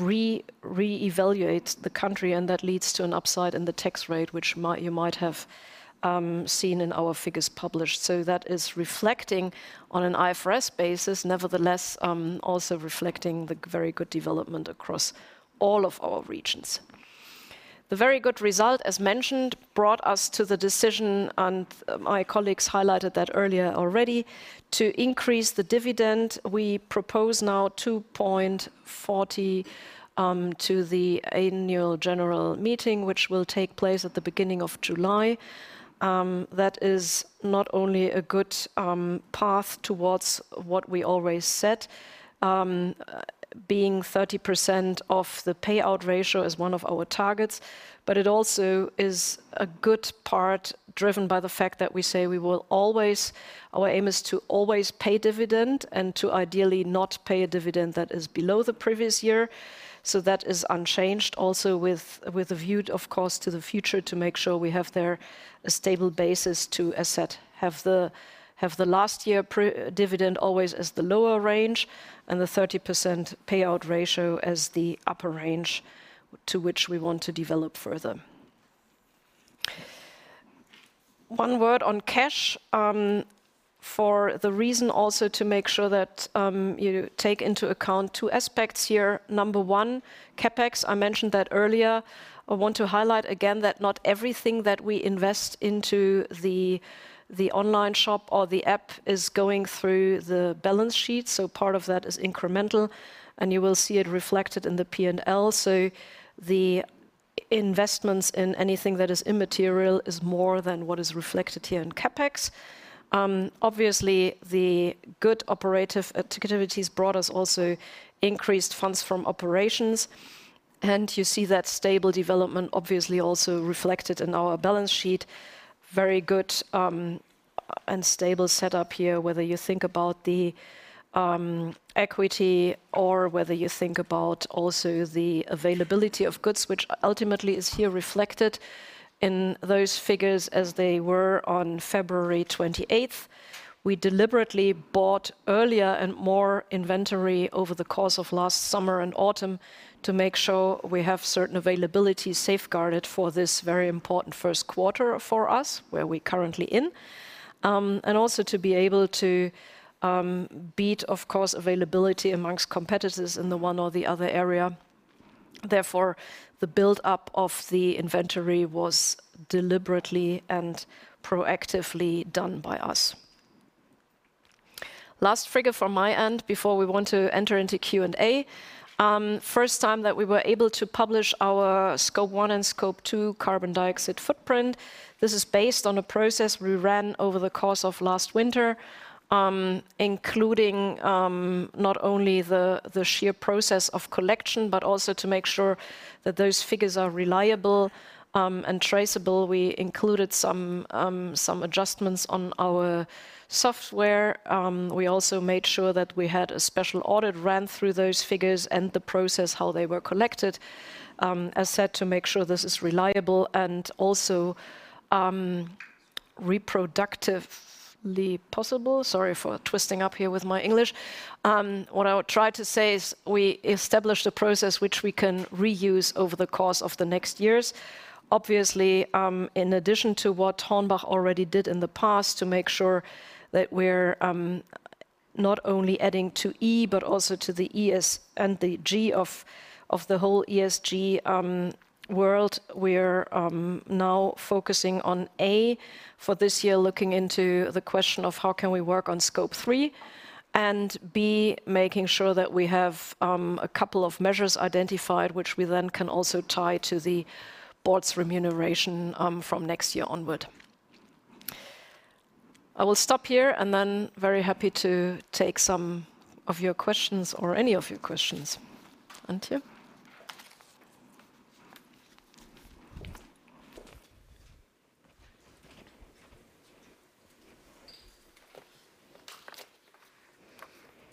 Speaker 4: reevaluate the country and that leads to an upside in the tax rate, which you might have seen in our figures published. That is reflecting on an IFRS basis. Nevertheless, also reflecting the very good development across all of our regions. The very good result, as mentioned, brought us to the decision, and my colleagues highlighted that earlier already, to increase the dividend. We propose now 2.40 to the annual general meeting, which will take place at the beginning of July. That is not only a good path towards what we always set, being 30% of the payout ratio is one of our targets. It also is a good part driven by the fact that we say our aim is to always pay dividend and to ideally not pay a dividend that is below the previous year. That is unchanged also with a view, of course, to the future to make sure we have there a stable basis to assess have the last year prior dividend always as the lower range and the 30% payout ratio as the upper range to which we want to develop further. One word on cash, for the reason also to make sure that you take into account two aspects here. Number one, CapEx. I mentioned that earlier. I want to highlight again that not everything that we invest into the online shop or the app is going through the balance sheet, so part of that is incremental, and you will see it reflected in the P&L. The investments in anything that is immaterial is more than what is reflected here in CapEx. Obviously, the good operating activities brought us also increased funds from operations. You see that stable development obviously also reflected in our balance sheet. Very good and stable setup here, whether you think about the equity or whether you think about also the availability of goods, which ultimately is here reflected in those figures as they were on February 28th. We deliberately bought earlier and more inventory over the course of last summer and autumn to make sure we have certain availability safeguarded for this very important Q1 for us, where we're currently in. Also to be able to beat, of course, availability among competitors in the one or the other area. Therefore, the build-up of the inventory was deliberately and proactively done by us. Last figure from my end before we want to enter into Q&A. First time that we were able to publish our Scope 1 and Scope 2 carbon dioxide footprint. This is based on a process we ran over the course of last winter, including not only the sheer process of collection, but also to make sure that those figures are reliable and traceable. We included some adjustments on our software. We also made sure that we had a special audit ran through those figures and the process, how they were collected, as said, to make sure this is reliable and also, reproductively possible. Sorry for twisting up here with my English. What I would try to say is we established a process which we can reuse over the course of the next years. Obviously, in addition to what HORNBACH already did in the past to make sure that we're not only adding to E, but also to the ES and the G of the whole ESG world. We are now focusing on A for this year, looking into the question of how can we work on Scope 3, and B, making sure that we have a couple of measures identified, which we then can also tie to the board's remuneration from next year onward. I will stop here and then very happy to take some of your questions or any of your questions. Antje?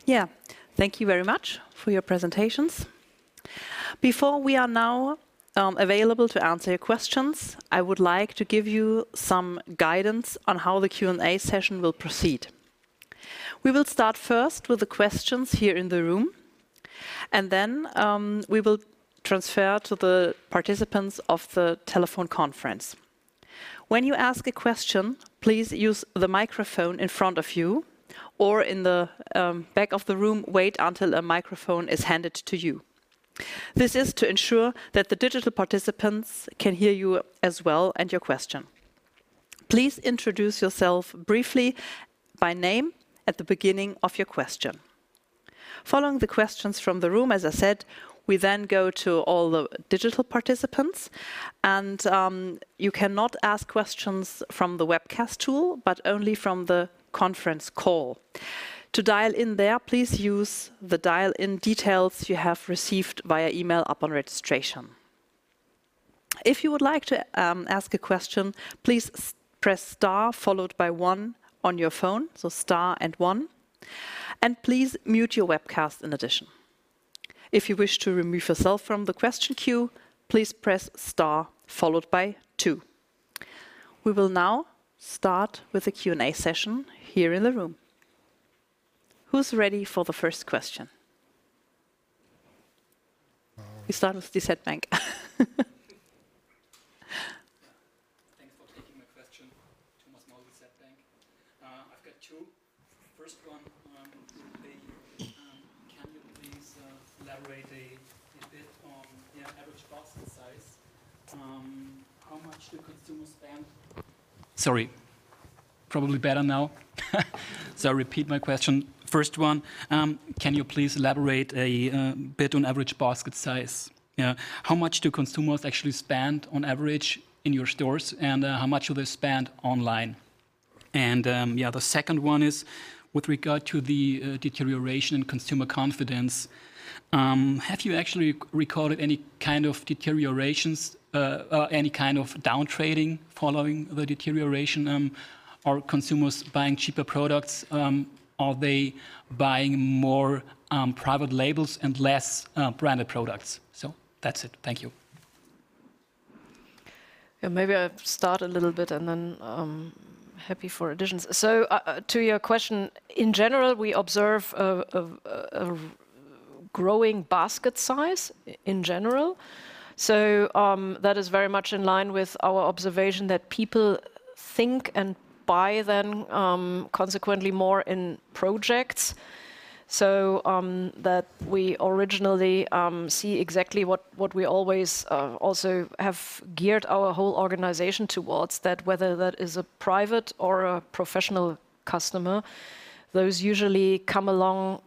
Speaker 1: Yeah. Thank you very much for your presentations. Before we are now available to answer your questions, I would like to give you some guidance on how the Q&A session will proceed. We will start first with the questions here in the room, and then we will transfer to the participants of the telephone conference. When you ask a question, please use the microphone in front of you or in the back of the room. Wait until a microphone is handed to you. This is to ensure that the digital participants can hear you as well and your question. Please introduce yourself briefly by name at the beginning of your question. Following the questions from the room, as I said, we then go to all the digital participants and you cannot ask questions from the webcast tool, but only from the conference call. To dial in there, please use the dial-in details you have received via email upon registration. If you would like to ask a question, please press star followed by one on your phone. So star and one. Please mute your webcast in addition. If you wish to remove yourself from the question queue, please press star followed by two. We will now start with the Q&A session here in the room. Who's ready for the first question? We start with DZ Bank.
Speaker 5: Thanks for taking my question. Thomas Maul with DZ Bank. I've got two. First one, can you please elaborate a bit on average basket size? How much do consumers actually spend on average in your stores, and how much do they spend online? The second one is with regard to the deterioration in consumer confidence. Have you actually recorded any kind of deteriorations, any kind of downtrading following the deterioration? Are consumers buying cheaper products? Are they buying more private labels and less branded products? That's it. Thank you.
Speaker 4: Yeah, maybe I start a little bit and then, happy for additions. To your question, in general, we observe a growing basket size in general. That is very much in line with our observation that people think and buy then, consequently more in projects. That we originally see exactly what we always also have geared our whole organization towards that whether that is a private or a professional customer, those usually come along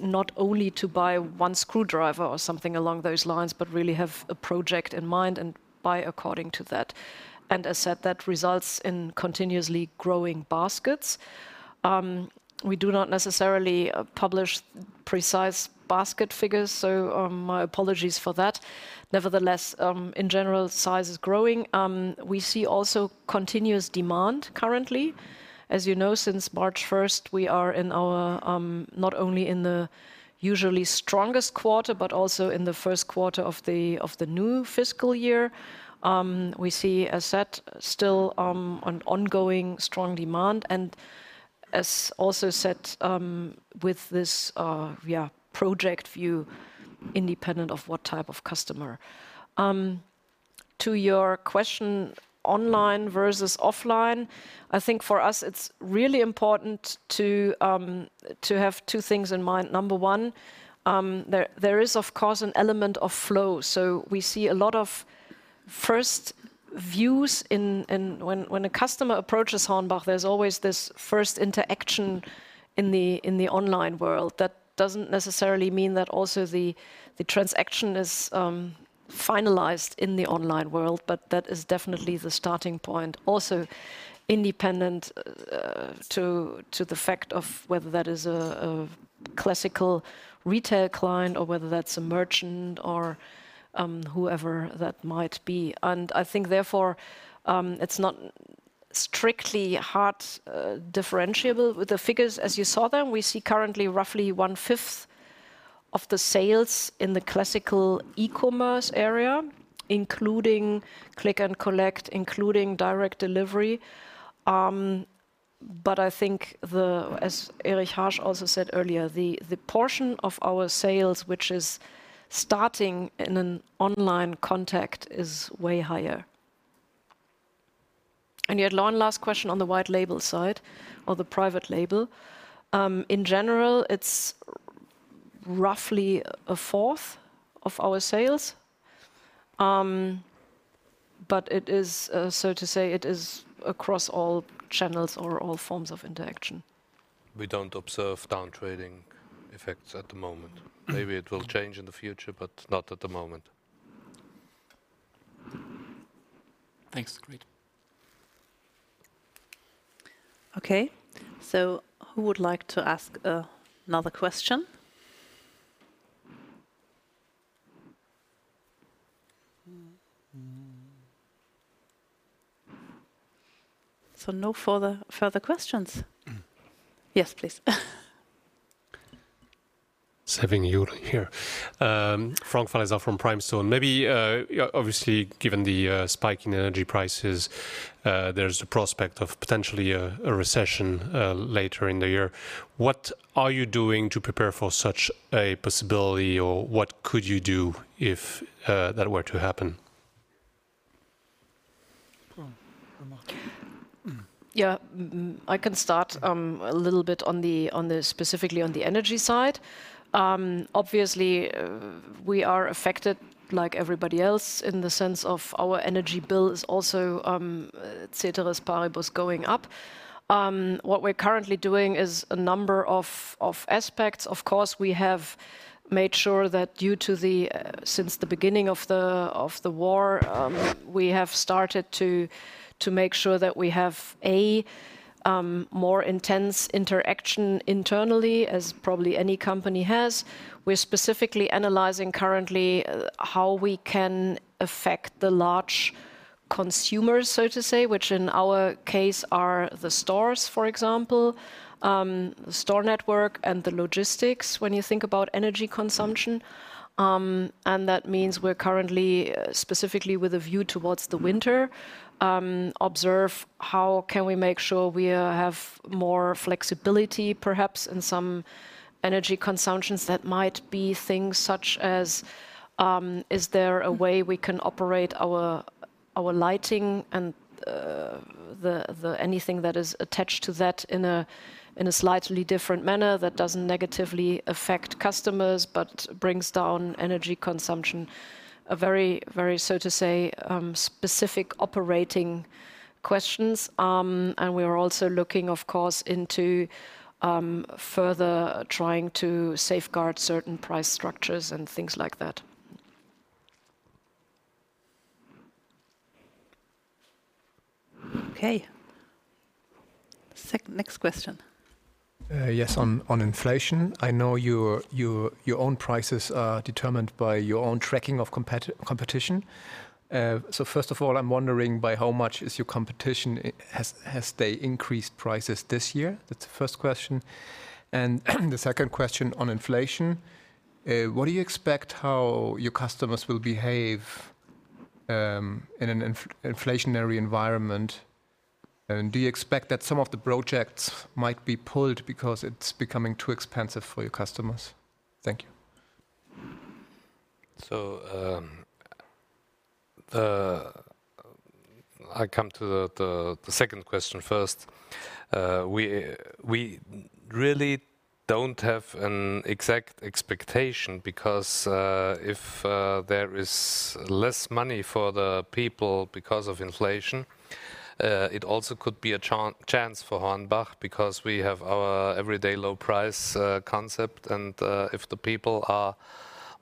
Speaker 4: not only to buy one screwdriver or something along those lines, but really have a project in mind and buy according to that. As said, that results in continuously growing baskets. We do not necessarily publish precise basket figures, so, my apologies for that. Nevertheless, in general, size is growing. We see also continuous demand currently. As you know, since March 1st, we are in our not only in the usually strongest quarter, but also in Q1 of the new fiscal year. We see as said, still, an ongoing strong demand and as also said, with this project view independent of what type of customer. To your question online versus offline, I think for us it's really important to have two things in mind. Number one, there is of course an element of flow. We see a lot of first views in. When a customer approaches HORNBACH, there's always this first interaction in the online world. That doesn't necessarily mean that also the transaction is finalized in the online world, but that is definitely the starting point. Independent of the fact of whether that is a classical retail client or whether that's a merchant or whoever that might be. I think therefore it's not strictly hard to differentiate with the figures as you saw them. We see currently roughly one-fifth of the sales in the classical e-commerce area, including click and collect, including direct delivery. I think that, as Erich Harsch also said earlier, the portion of our sales which is starting in an online contact is way higher. You had one last question on the white label side or the private label. In general, it's roughly a fourth of our sales. It is, so to say, across all channels or all forms of interaction.
Speaker 3: We don't observe downtrading effects at the moment. Maybe it will change in the future, but not at the moment.
Speaker 5: Thanks. Great.
Speaker 4: Okay. Who would like to ask another question? No further questions? Yes, please.
Speaker 6: Saving you here. Franck Falézan from PrimeStone. Maybe obviously given the spike in energy prices, there's the prospect of potentially a recession later in the year. What are you doing to prepare for such a possibility? Or what could you do if that were to happen?
Speaker 4: Yeah. I can start a little bit specifically on the energy side. Obviously, we are affected like everybody else in the sense of our energy bill is also ceteris paribus going up. What we're currently doing is a number of aspects. Of course, we have made sure that since the beginning of the war we have started to make sure that we have a more intense interaction internally as probably any company has. We're specifically analyzing currently how we can affect the large consumers, so to say, which in our case are the stores, for example, the store network and the logistics when you think about energy consumption. That means we're currently, specifically with a view towards the winter, observing how we can make sure we have more flexibility perhaps in some energy consumptions. That might be things such as, is there a way we can operate our lighting and anything that is attached to that in a slightly different manner that doesn't negatively affect customers, but brings down energy consumption. A very, so to say, specific operating questions. We are also looking, of course, into further trying to safeguard certain price structures and things like that.
Speaker 1: Okay. Next question.
Speaker 7: Yes, on inflation. I know your own prices are determined by your own tracking of competition. First of all, I'm wondering by how much is your competition has they increased prices this year? That's the first question. The second question on inflation, what do you expect how your customers will behave in an inflationary environment? Do you expect that some of the projects might be pulled because it's becoming too expensive for your customers? Thank you.
Speaker 3: I come to the second question first. We really don't have an exact expectation because if there is less money for the people because of inflation, it also could be a chance for HORNBACH because we have our everyday low price concept. If the people are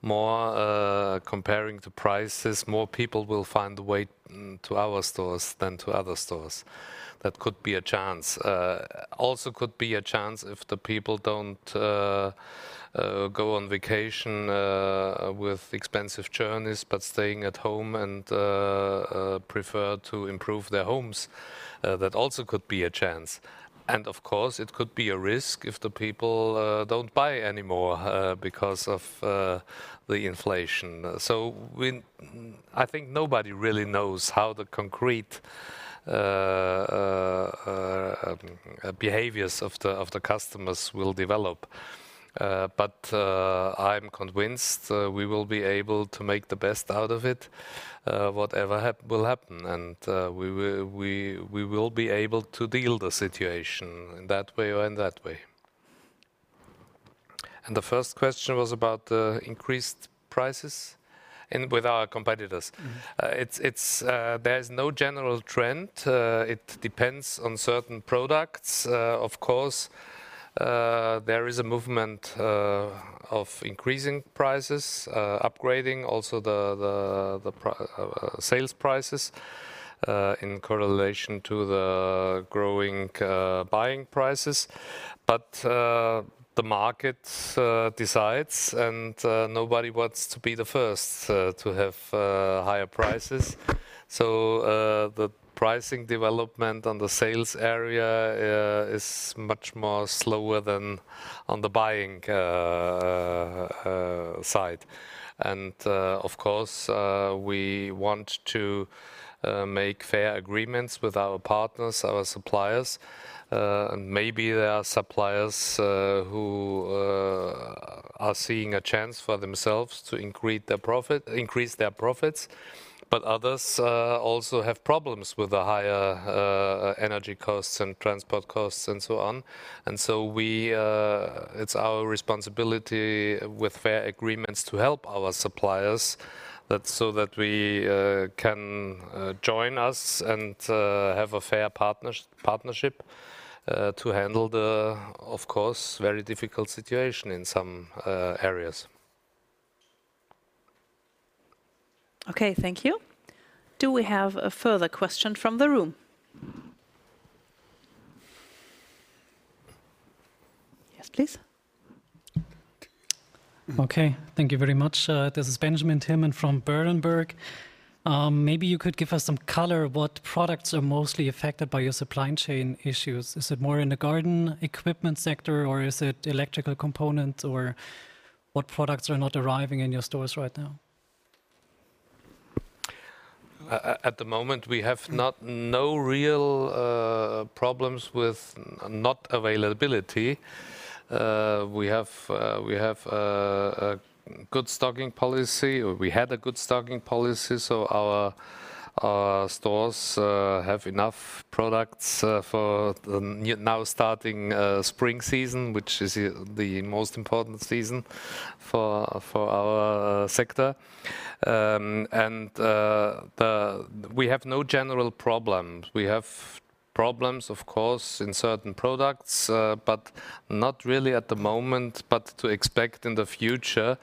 Speaker 3: more comparing the prices, more people will find the way to our stores than to other stores. That could be a chance. Also could be a chance if the people don't go on vacation with expensive journeys, but staying at home and prefer to improve their homes. That also could be a chance. Of course, it could be a risk if the people don't buy anymore because of the inflation. I think nobody really knows how the consumer behaviors of the customers will develop. I'm convinced we will be able to make the best out of it whatever will happen. We will be able to deal with the situation in that way or in that way. The first question was about the increased prices with our competitors.
Speaker 7: Mm-hmm.
Speaker 3: There is no general trend. It depends on certain products. Of course, there is a movement of increasing prices, upgrading also the sales prices in correlation to the growing buying prices. The market decides, and nobody wants to be the first to have higher prices. The pricing development on the sales area is much more slower than on the buying side. Of course, we want to make fair agreements with our partners, our suppliers. Maybe there are suppliers who are seeing a chance for themselves to increase their profits. Others also have problems with the higher energy costs and transport costs and so on. It's our responsibility with fair agreements to help our suppliers so that we can join us and have a fair partnership to handle the, of course, very difficult situation in some areas.
Speaker 1: Okay, thank you. Do we have a further question from the room? Yes, please.
Speaker 8: Okay. Thank you very much. This is Benjamin Thielmann from Berenberg. Maybe you could give us some color on what products are mostly affected by your supply chain issues. Is it more in the garden equipment sector, or is it electrical components? Or what products are not arriving in your stores right now?
Speaker 3: At the moment, we have no real problems with non-availability. We have a good stocking policy. We had a good stocking policy, so our stores have enough products for the now starting spring season, which is the most important season for our sector. We have no general problems. We have problems, of course, in certain products, but not really at the moment. We expect in the future,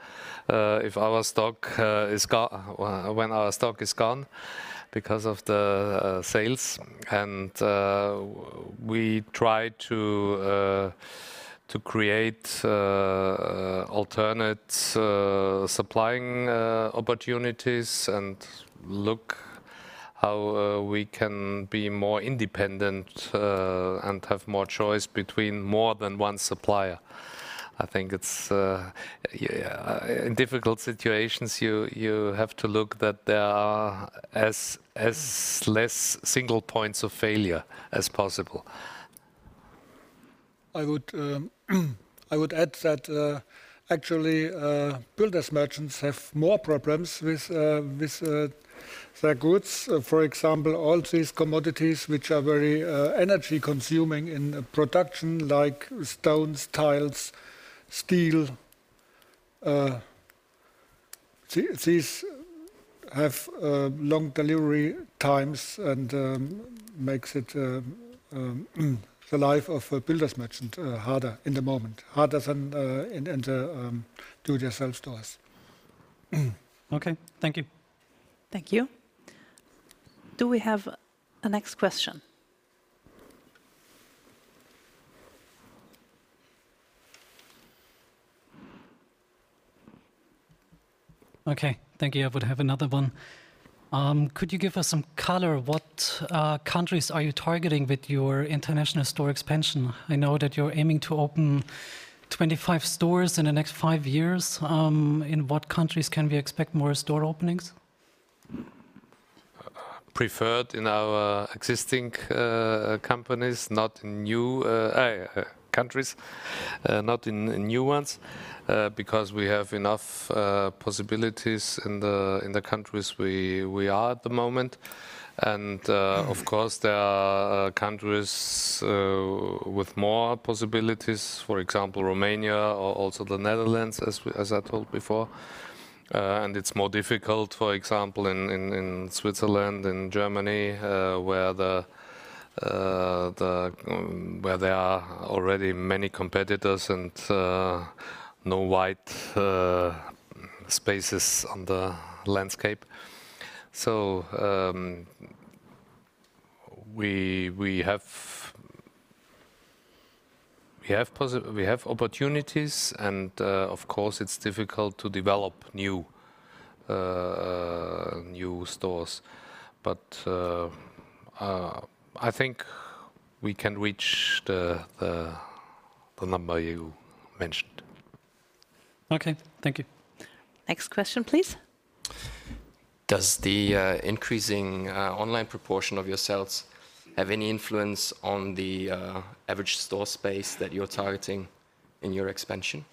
Speaker 3: if our stock is gone because of the sales. We try to create alternative supplying opportunities and look how we can be more independent and have more choice between more than one supplier. I think it's in difficult situations, you have to look that there are as less single points of failure as possible.
Speaker 2: I would add that, actually, builders merchants have more problems with their goods. For example, all these commodities which are very energy-consuming in production, like stones, tiles, steel. These have long delivery times and makes it the life of a builders merchant harder in the moment. Harder than in the do-it-yourself stores.
Speaker 8: Okay. Thank you.
Speaker 1: Thank you. Do we have a next question?
Speaker 8: Okay. Thank you. I would have another one. Could you give us some color on what countries are you targeting with your international store expansion? I know that you're aiming to open 25 stores in the next five years. In what countries can we expect more store openings?
Speaker 3: Preferred in our existing countries, not in new countries, not in new ones, because we have enough possibilities in the countries we are at the moment. Of course, there are countries with more possibilities, for example, Romania or also the Netherlands, as I told before. It's more difficult, for example, in Switzerland and Germany, where there are already many competitors and no wide spaces on the landscape. We have opportunities and, of course, it's difficult to develop new stores. I think we can reach the number you mentioned.
Speaker 8: Okay. Thank you.
Speaker 1: Next question, please.
Speaker 9: Does the increasing online proportion of your sales have any influence on the average store space that you're targeting in your expansion?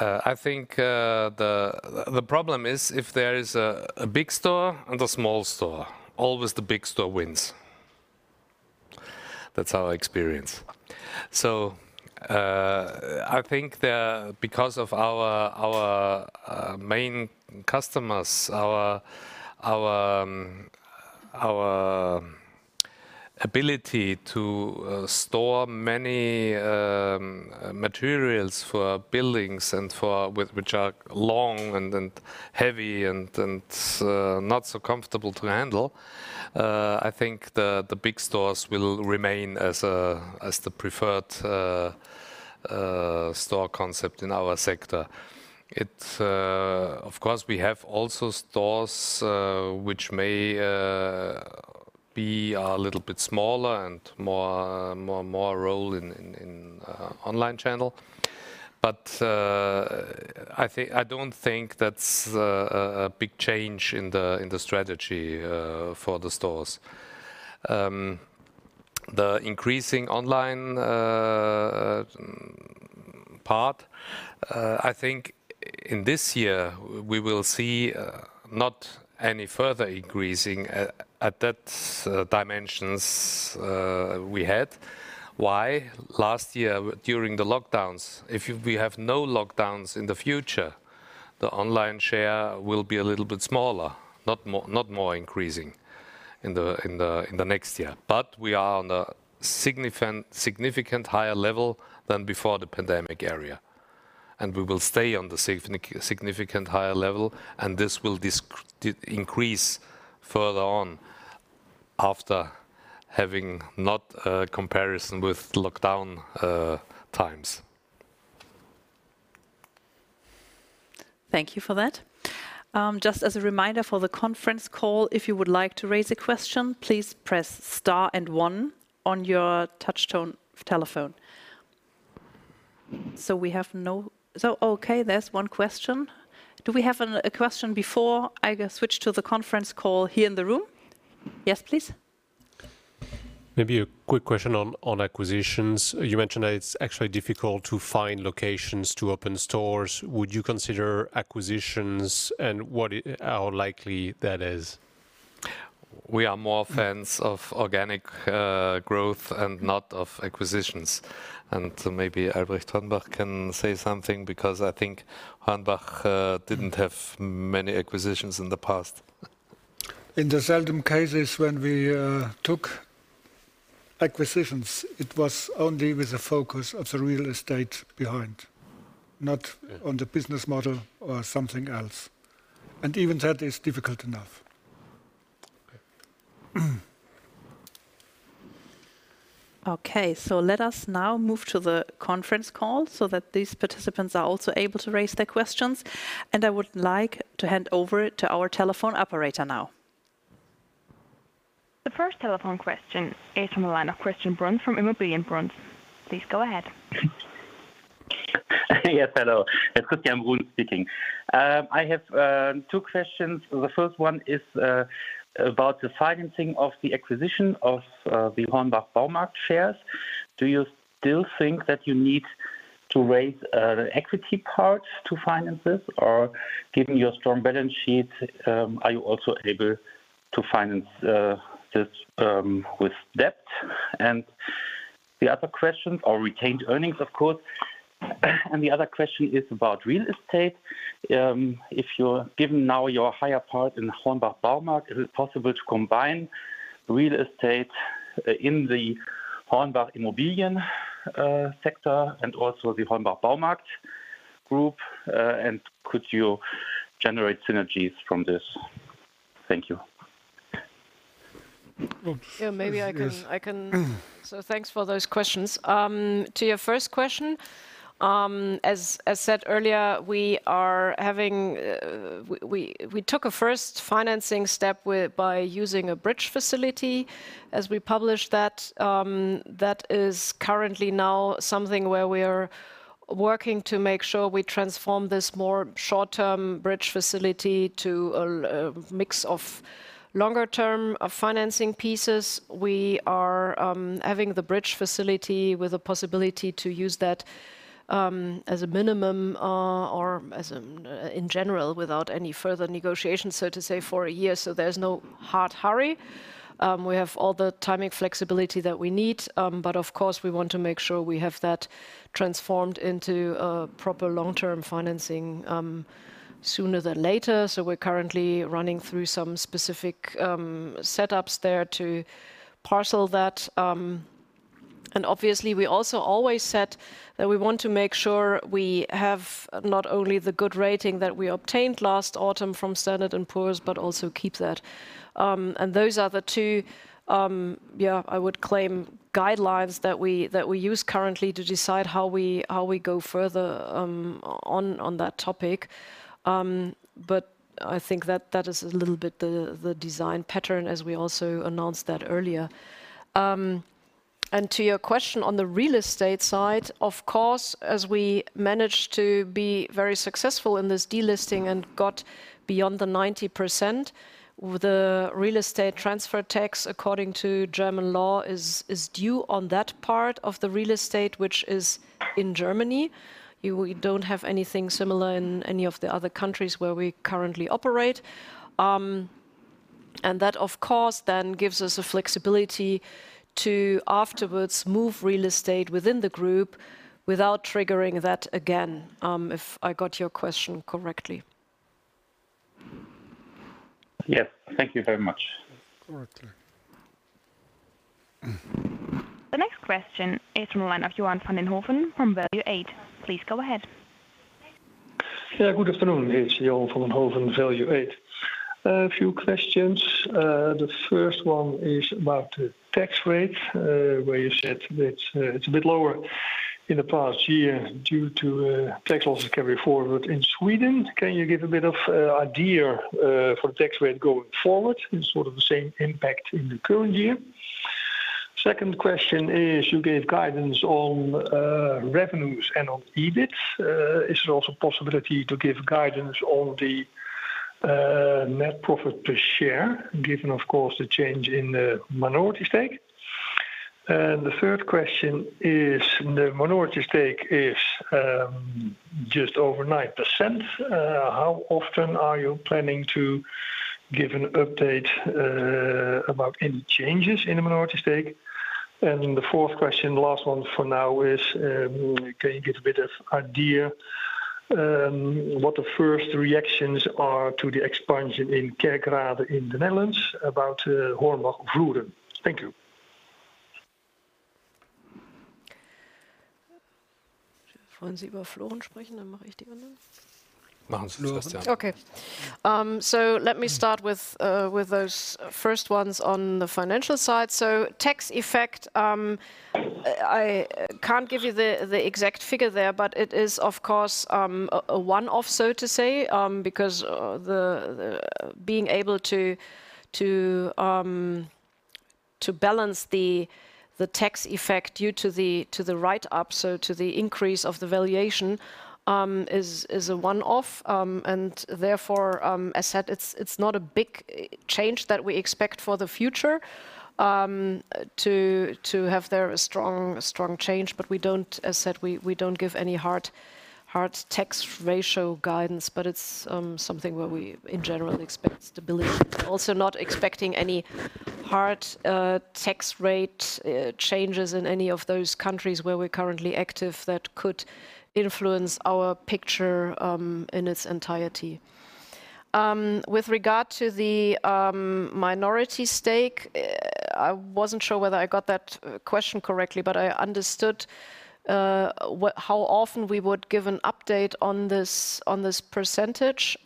Speaker 3: I think the problem is if there is a big store and a small store, always the big store wins. That's our experience. I think because of our main customers, our ability to store many materials for buildings and for which are long and heavy and not so comfortable to handle. I think the big stores will remain as the preferred store concept in our sector. It's. Of course, we have also stores which may be a little bit smaller and more role in online channel. I don't think that's a big change in the strategy for the stores. The increasing online part, I think in this year, we will see not any further increasing at that dimensions we had. Why? Last year, during the lockdowns. If we have no lockdowns in the future, the online share will be a little bit smaller, not more increasing in the next year. But we are on a significant higher level than before the pandemic era. We will stay on the significant higher level, and this will increase further on after having not a comparison with lockdown times.
Speaker 1: Thank you for that. Just as a reminder for the conference call, if you would like to raise a question, please press star and one on your touch-tone telephone. Okay, there's one question. Do we have a question before I switch to the conference call here in the room? Yes, please.
Speaker 6: Maybe a quick question on acquisitions. You mentioned that it's actually difficult to find locations to open stores. Would you consider acquisitions and how likely that is?
Speaker 3: We are more fans of organic growth and not of acquisitions. Maybe Albrecht Hornbach can say something because I think HORNBACH didn't have many acquisitions in the past.
Speaker 2: In the seldom cases when we took acquisitions, it was only with the focus of the real estate behind, not.
Speaker 3: Yeah.
Speaker 2: on the business model or something else. Even that is difficult enough.
Speaker 6: Okay.
Speaker 1: Okay. Let us now move to the conference call so that these participants are also able to raise their questions. I would like to hand over to our telephone operator now.
Speaker 10: The first telephone question is from the line of Christian Bruhn from Bruhn Immobilien. Please go ahead.
Speaker 11: Yes, hello. It's Christian Bruhn speaking. I have two questions. The first one is about the financing of the acquisition of the HORNBACH Baumarkt shares. Do you still think that you need to raise equity part to finance this? Given your strong balance sheet, are you also able to finance this with debt? Or retained earnings, of course. The other question is about real estate. Given your higher part now in HORNBACH Baumarkt, is it possible to combine real estate in the HORNBACH Immobilien sector and also the HORNBACH Baumarkt group? Could you generate synergies from this? Thank you.
Speaker 2: Well, this is.
Speaker 4: Yeah, maybe I can. Thanks for those questions. To your first question, as said earlier, we took a first financing step by using a bridge facility. As we published that is currently now something where we are working to make sure we transform this more short-term bridge facility to a mix of longer term financing pieces. We are having the bridge facility with a possibility to use that as a minimum or in general without any further negotiation, so to say, for a year. There's no hard hurry. We have all the timing flexibility that we need. But of course, we want to make sure we have that transformed into a proper long-term financing sooner than later. We're currently running through some specific setups there to parcel that. Obviously we also always said that we want to make sure we have not only the good rating that we obtained last autumn from Standard & Poor's, but also keep that. Those are the two, yeah, I would claim guidelines that we use currently to decide how we go further, on that topic. I think that is a little bit the design pattern as we also announced that earlier. To your question on the real estate side, of course, as we managed to be very successful in this delisting and got beyond the 90%, the real estate transfer tax, according to German law, is due on that part of the real estate which is in Germany. We don't have anything similar in any of the other countries where we currently operate. That, of course, then gives us the flexibility to afterwards move real estate within the group without triggering that again, if I got your question correctly.
Speaker 11: Yes. Thank you very much.
Speaker 10: The next question is from the line of Johan van den Hoven from Value8. Please go ahead.
Speaker 12: Yeah, good afternoon. It's Johan van den Hoven, Value8. A few questions. The first one is about the tax rate, where you said it's a bit lower in the past year due to tax losses carry forward in Sweden. Can you give a bit of idea for the tax rate going forward and sort of the same impact in the current year? Second question is, you gave guidance on revenues and on EBIT. Is there also possibility to give guidance on the net profit per share, given of course the change in the minority stake? The third question is, the minority stake is just over 9%. How often are you planning to give an update about any changes in the minority stake? The fourth question, the last one for now, is, can you give a bit of idea, what the first reactions are to the expansion in Kerkrade in the Netherlands about HORNBACH Vloeren. Thank you.
Speaker 4: Okay. Let me start with those first ones on the financial side. Tax effect, I can't give you the exact figure there, but it is of course a one-off, so to say, because the ability to balance the tax effect due to the write-up, so to the increase of the valuation, is a one-off. Therefore, as said, it's not a big change that we expect for the future to have there a strong change. As said, we don't give any hard tax rate guidance. It's something where we in general expect stability. Also not expecting any hard tax rate changes in any of those countries where we're currently active that could influence our picture in its entirety. With regard to the minority stake, I wasn't sure whether I got that question correctly, but I understood how often we would give an update on this percentage.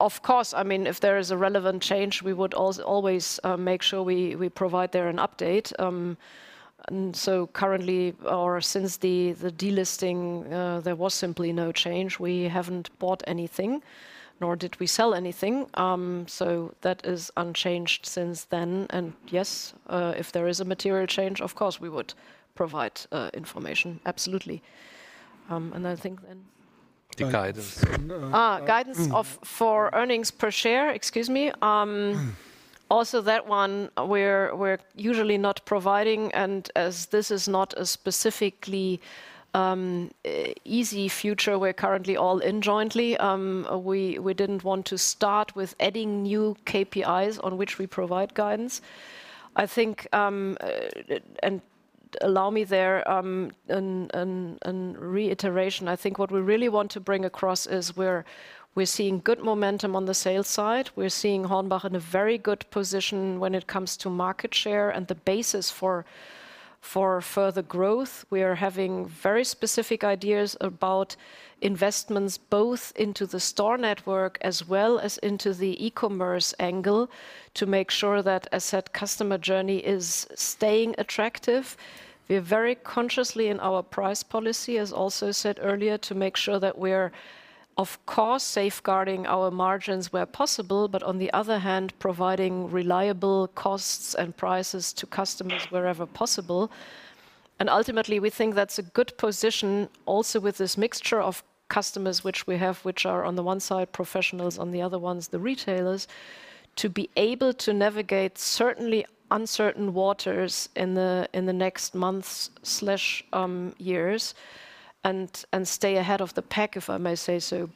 Speaker 4: Of course, I mean, if there is a relevant change, we would always make sure we provide there an update. Currently or since the delisting, there was simply no change. We haven't bought anything, nor did we sell anything. That is unchanged since then. Yes, if there is a material change, of course, we would provide information. Absolutely.
Speaker 3: The guidance.
Speaker 4: Guidance for earnings per share, excuse me. Also that one we're usually not providing, and as this is not a specifically easy future, we're currently all in jointly. We didn't want to start with adding new KPIs on which we provide guidance. I think and allow me there a reiteration. I think what we really want to bring across is we're seeing good momentum on the sales side. We're seeing HORNBACH in a very good position when it comes to market share and the basis for further growth. We are having very specific ideas about investments both into the store network as well as into the e-commerce angle to make sure that a set customer journey is staying attractive. We are very consciously in our price policy, as also said earlier, to make sure that we're of course safeguarding our margins where possible, but on the other hand, providing reliable costs and prices to customers wherever possible. Ultimately, we think that's a good position also with this mixture of customers which we have, which are on the one side professionals, on the other ones the retailers, to be able to navigate certainly uncertain waters in the next months, years and stay ahead of the pack, if I may say so.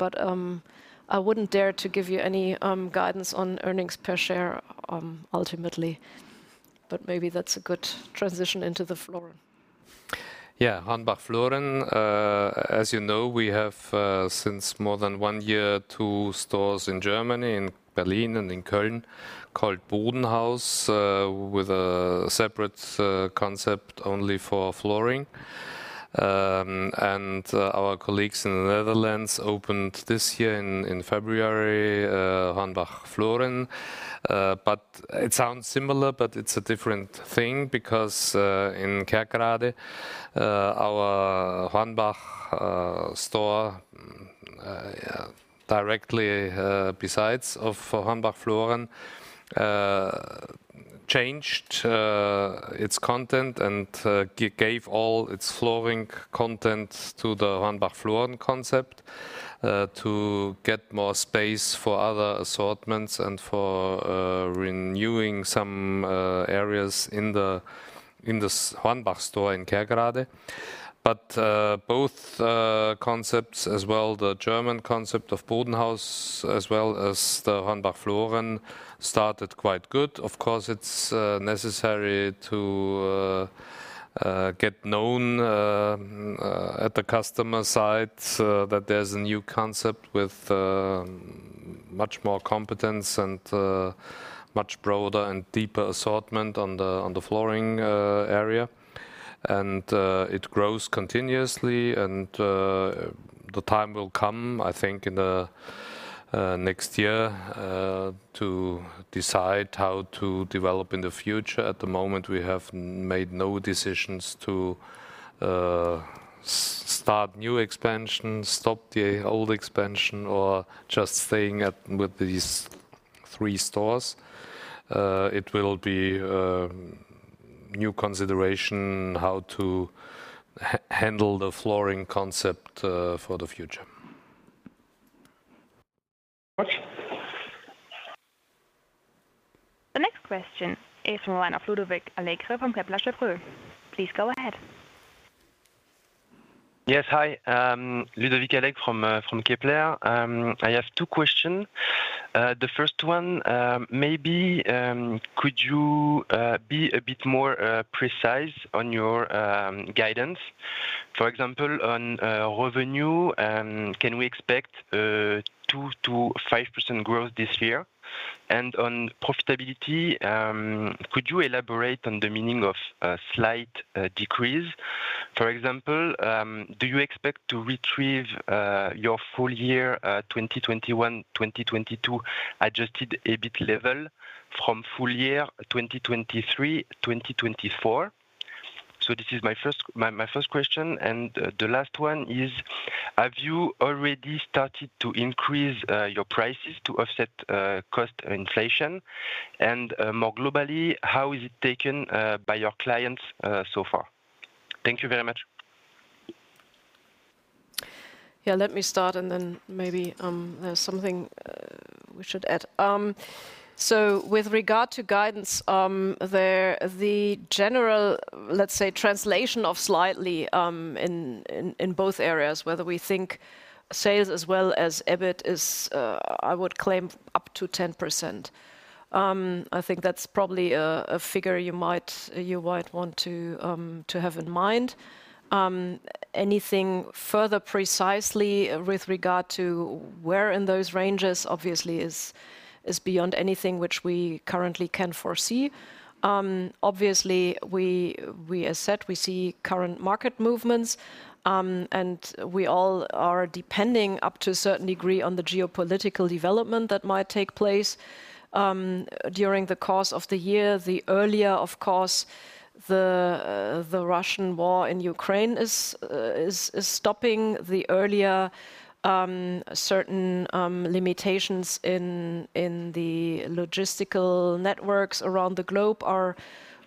Speaker 4: I wouldn't dare to give you any guidance on earnings per share, ultimately. Maybe that's a good transition into the flooring.
Speaker 3: Yeah. HORNBACH Vloeren. As you know, we have since more than one year two stores in Germany, in Berlin and in Köln, called BODENHAUS, with a separate concept only for flooring. Our colleagues in the Netherlands opened this year in February HORNBACH Vloeren. It sounds similar, but it's a different thing because in Kerkrade our HORNBACH store directly besides of HORNBACH Vloeren changed its content and gave all its flooring content to the HORNBACH Vloeren concept to get more space for other assortments and for renewing some areas in the HORNBACH store in Kerkrade. Both concepts as well, the German concept of BODENHAUS as well as the HORNBACH Vloeren started quite good. Of course, it's necessary to get known at the customer side that there's a new concept with much more competence and much broader and deeper assortment on the flooring area. It grows continuously. The time will come, I think in the next year, to decide how to develop in the future. At the moment, we have made no decisions to start new expansion, stop the old expansion, or just staying with these three stores. It will be new consideration how to handle the flooring concept for the future.
Speaker 12: Thank you very much.
Speaker 10: The next question is the line of Ludovic Allègre from Kepler Cheuvreux. Please go ahead.
Speaker 13: Yes. Hi, Ludovic Allègre from Kepler Cheuvreux. I have two question. The first one, maybe, could you be a bit more precise on your guidance? For example, on revenue, can we expect 2%-5% growth this year? And on profitability, could you elaborate on the meaning of a slight decrease? For example, do you expect to retrieve your full year 2021, 2022 adjusted EBIT level from full year 2023-2024? This is my first question. The last one is, have you already started to increase your prices to offset cost inflation? And more globally, how is it taken by your clients so far? Thank you very much.
Speaker 4: Yeah, let me start, and then maybe there's something we should add. With regard to guidance, the general, let's say, translation of slightly in both areas, whether we think sales as well as EBIT is I would claim up to 10%. I think that's probably a figure you might want to have in mind. Anything further precisely with regard to where in those ranges obviously is beyond anything which we currently can foresee. Obviously, we as said, we see current market movements, and we all are depending up to a certain degree on the geopolitical development that might take place during the course of the year. Of course, the Russian war in Ukraine is stopping the earlier certain limitations in the logistical networks around the globe, are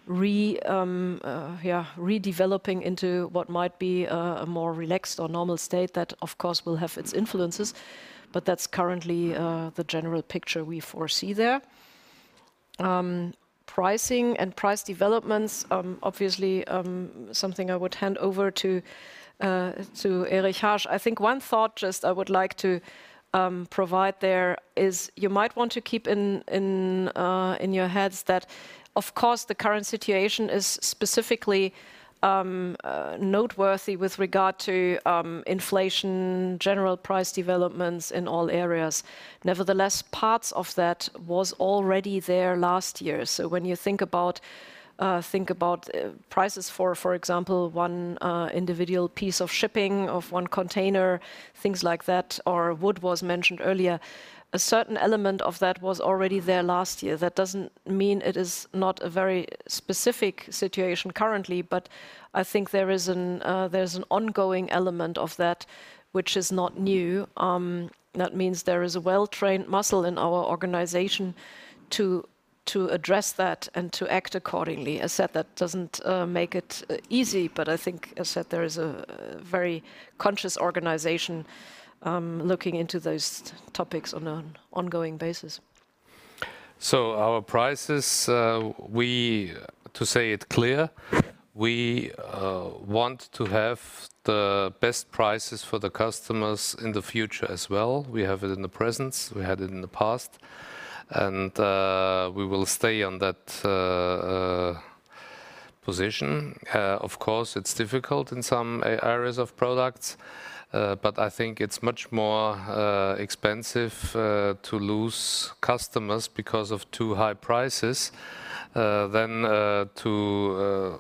Speaker 4: redeveloping into what might be a more relaxed or normal state that of course will have its influences. That's currently the general picture we foresee there. Pricing and price developments, obviously, something I would hand over to Erich Harsch. I think one thought just I would like to provide there is you might want to keep in your heads that of course the current situation is specifically noteworthy with regard to inflation, general price developments in all areas. Nevertheless, parts of that was already there last year. When you think about prices for example, one individual piece of shipping of one container, things like that, or wood was mentioned earlier, a certain element of that was already there last year. That doesn't mean it is not a very specific situation currently, but I think there is an ongoing element of that which is not new. That means there is a well-trained muscle in our organization to address that and to act accordingly. As said, that doesn't make it easy, but I think, as said, there is a very conscious organization looking into those topics on an ongoing basis.
Speaker 3: Our prices. To say it clear, we want to have the best prices for the customers in the future as well. We have it in the present, we had it in the past, and we will stay on that position. Of course, it's difficult in some areas of products, but I think it's much more expensive to lose customers because of too high prices than to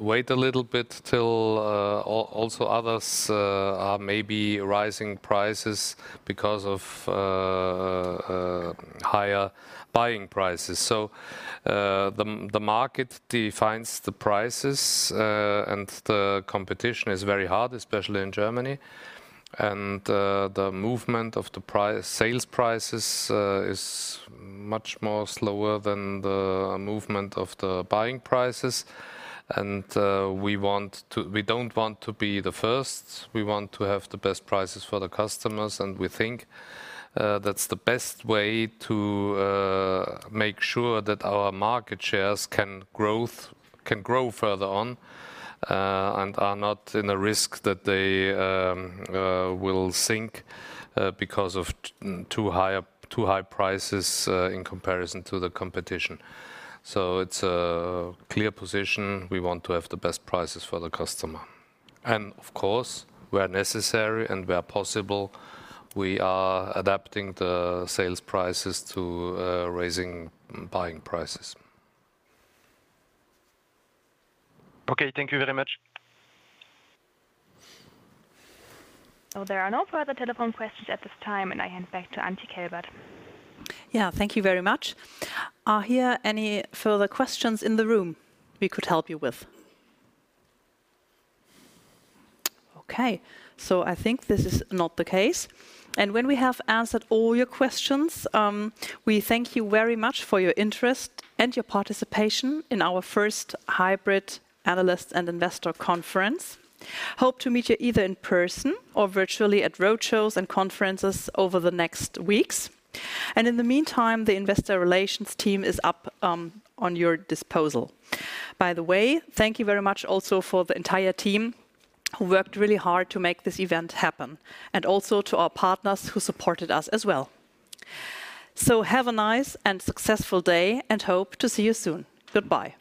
Speaker 3: wait a little bit till also others are maybe rising prices because of higher buying prices. The market defines the prices, and the competition is very hard, especially in Germany. The movement of the price, sales prices is much more slower than the movement of the buying prices. We don't want to be the first. We want to have the best prices for the customers, and we think that's the best way to make sure that our market shares can grow further on, and are not at risk that they will sink because of too high prices in comparison to the competition. It's a clear position. We want to have the best prices for the customer. Of course, where necessary and where possible, we are adapting the sales prices to rising buying prices.
Speaker 13: Okay, thank you very much.
Speaker 10: There are no further telephone questions at this time, and I hand back to Antje Kelbert.
Speaker 1: Yeah. Thank you very much. Are there any further questions in the room we could help you with? Okay. I think this is not the case. When we have answered all your questions, we thank you very much for your interest and your participation in our first hybrid analyst and investor conference. Hope to meet you either in person or virtually at roadshows and conferences over the next weeks. In the meantime, the investor relations team is at your disposal. By the way, thank you very much also for the entire team who worked really hard to make this event happen and also to our partners who supported us as well. Have a nice and successful day, and hope to see you soon. Goodbye.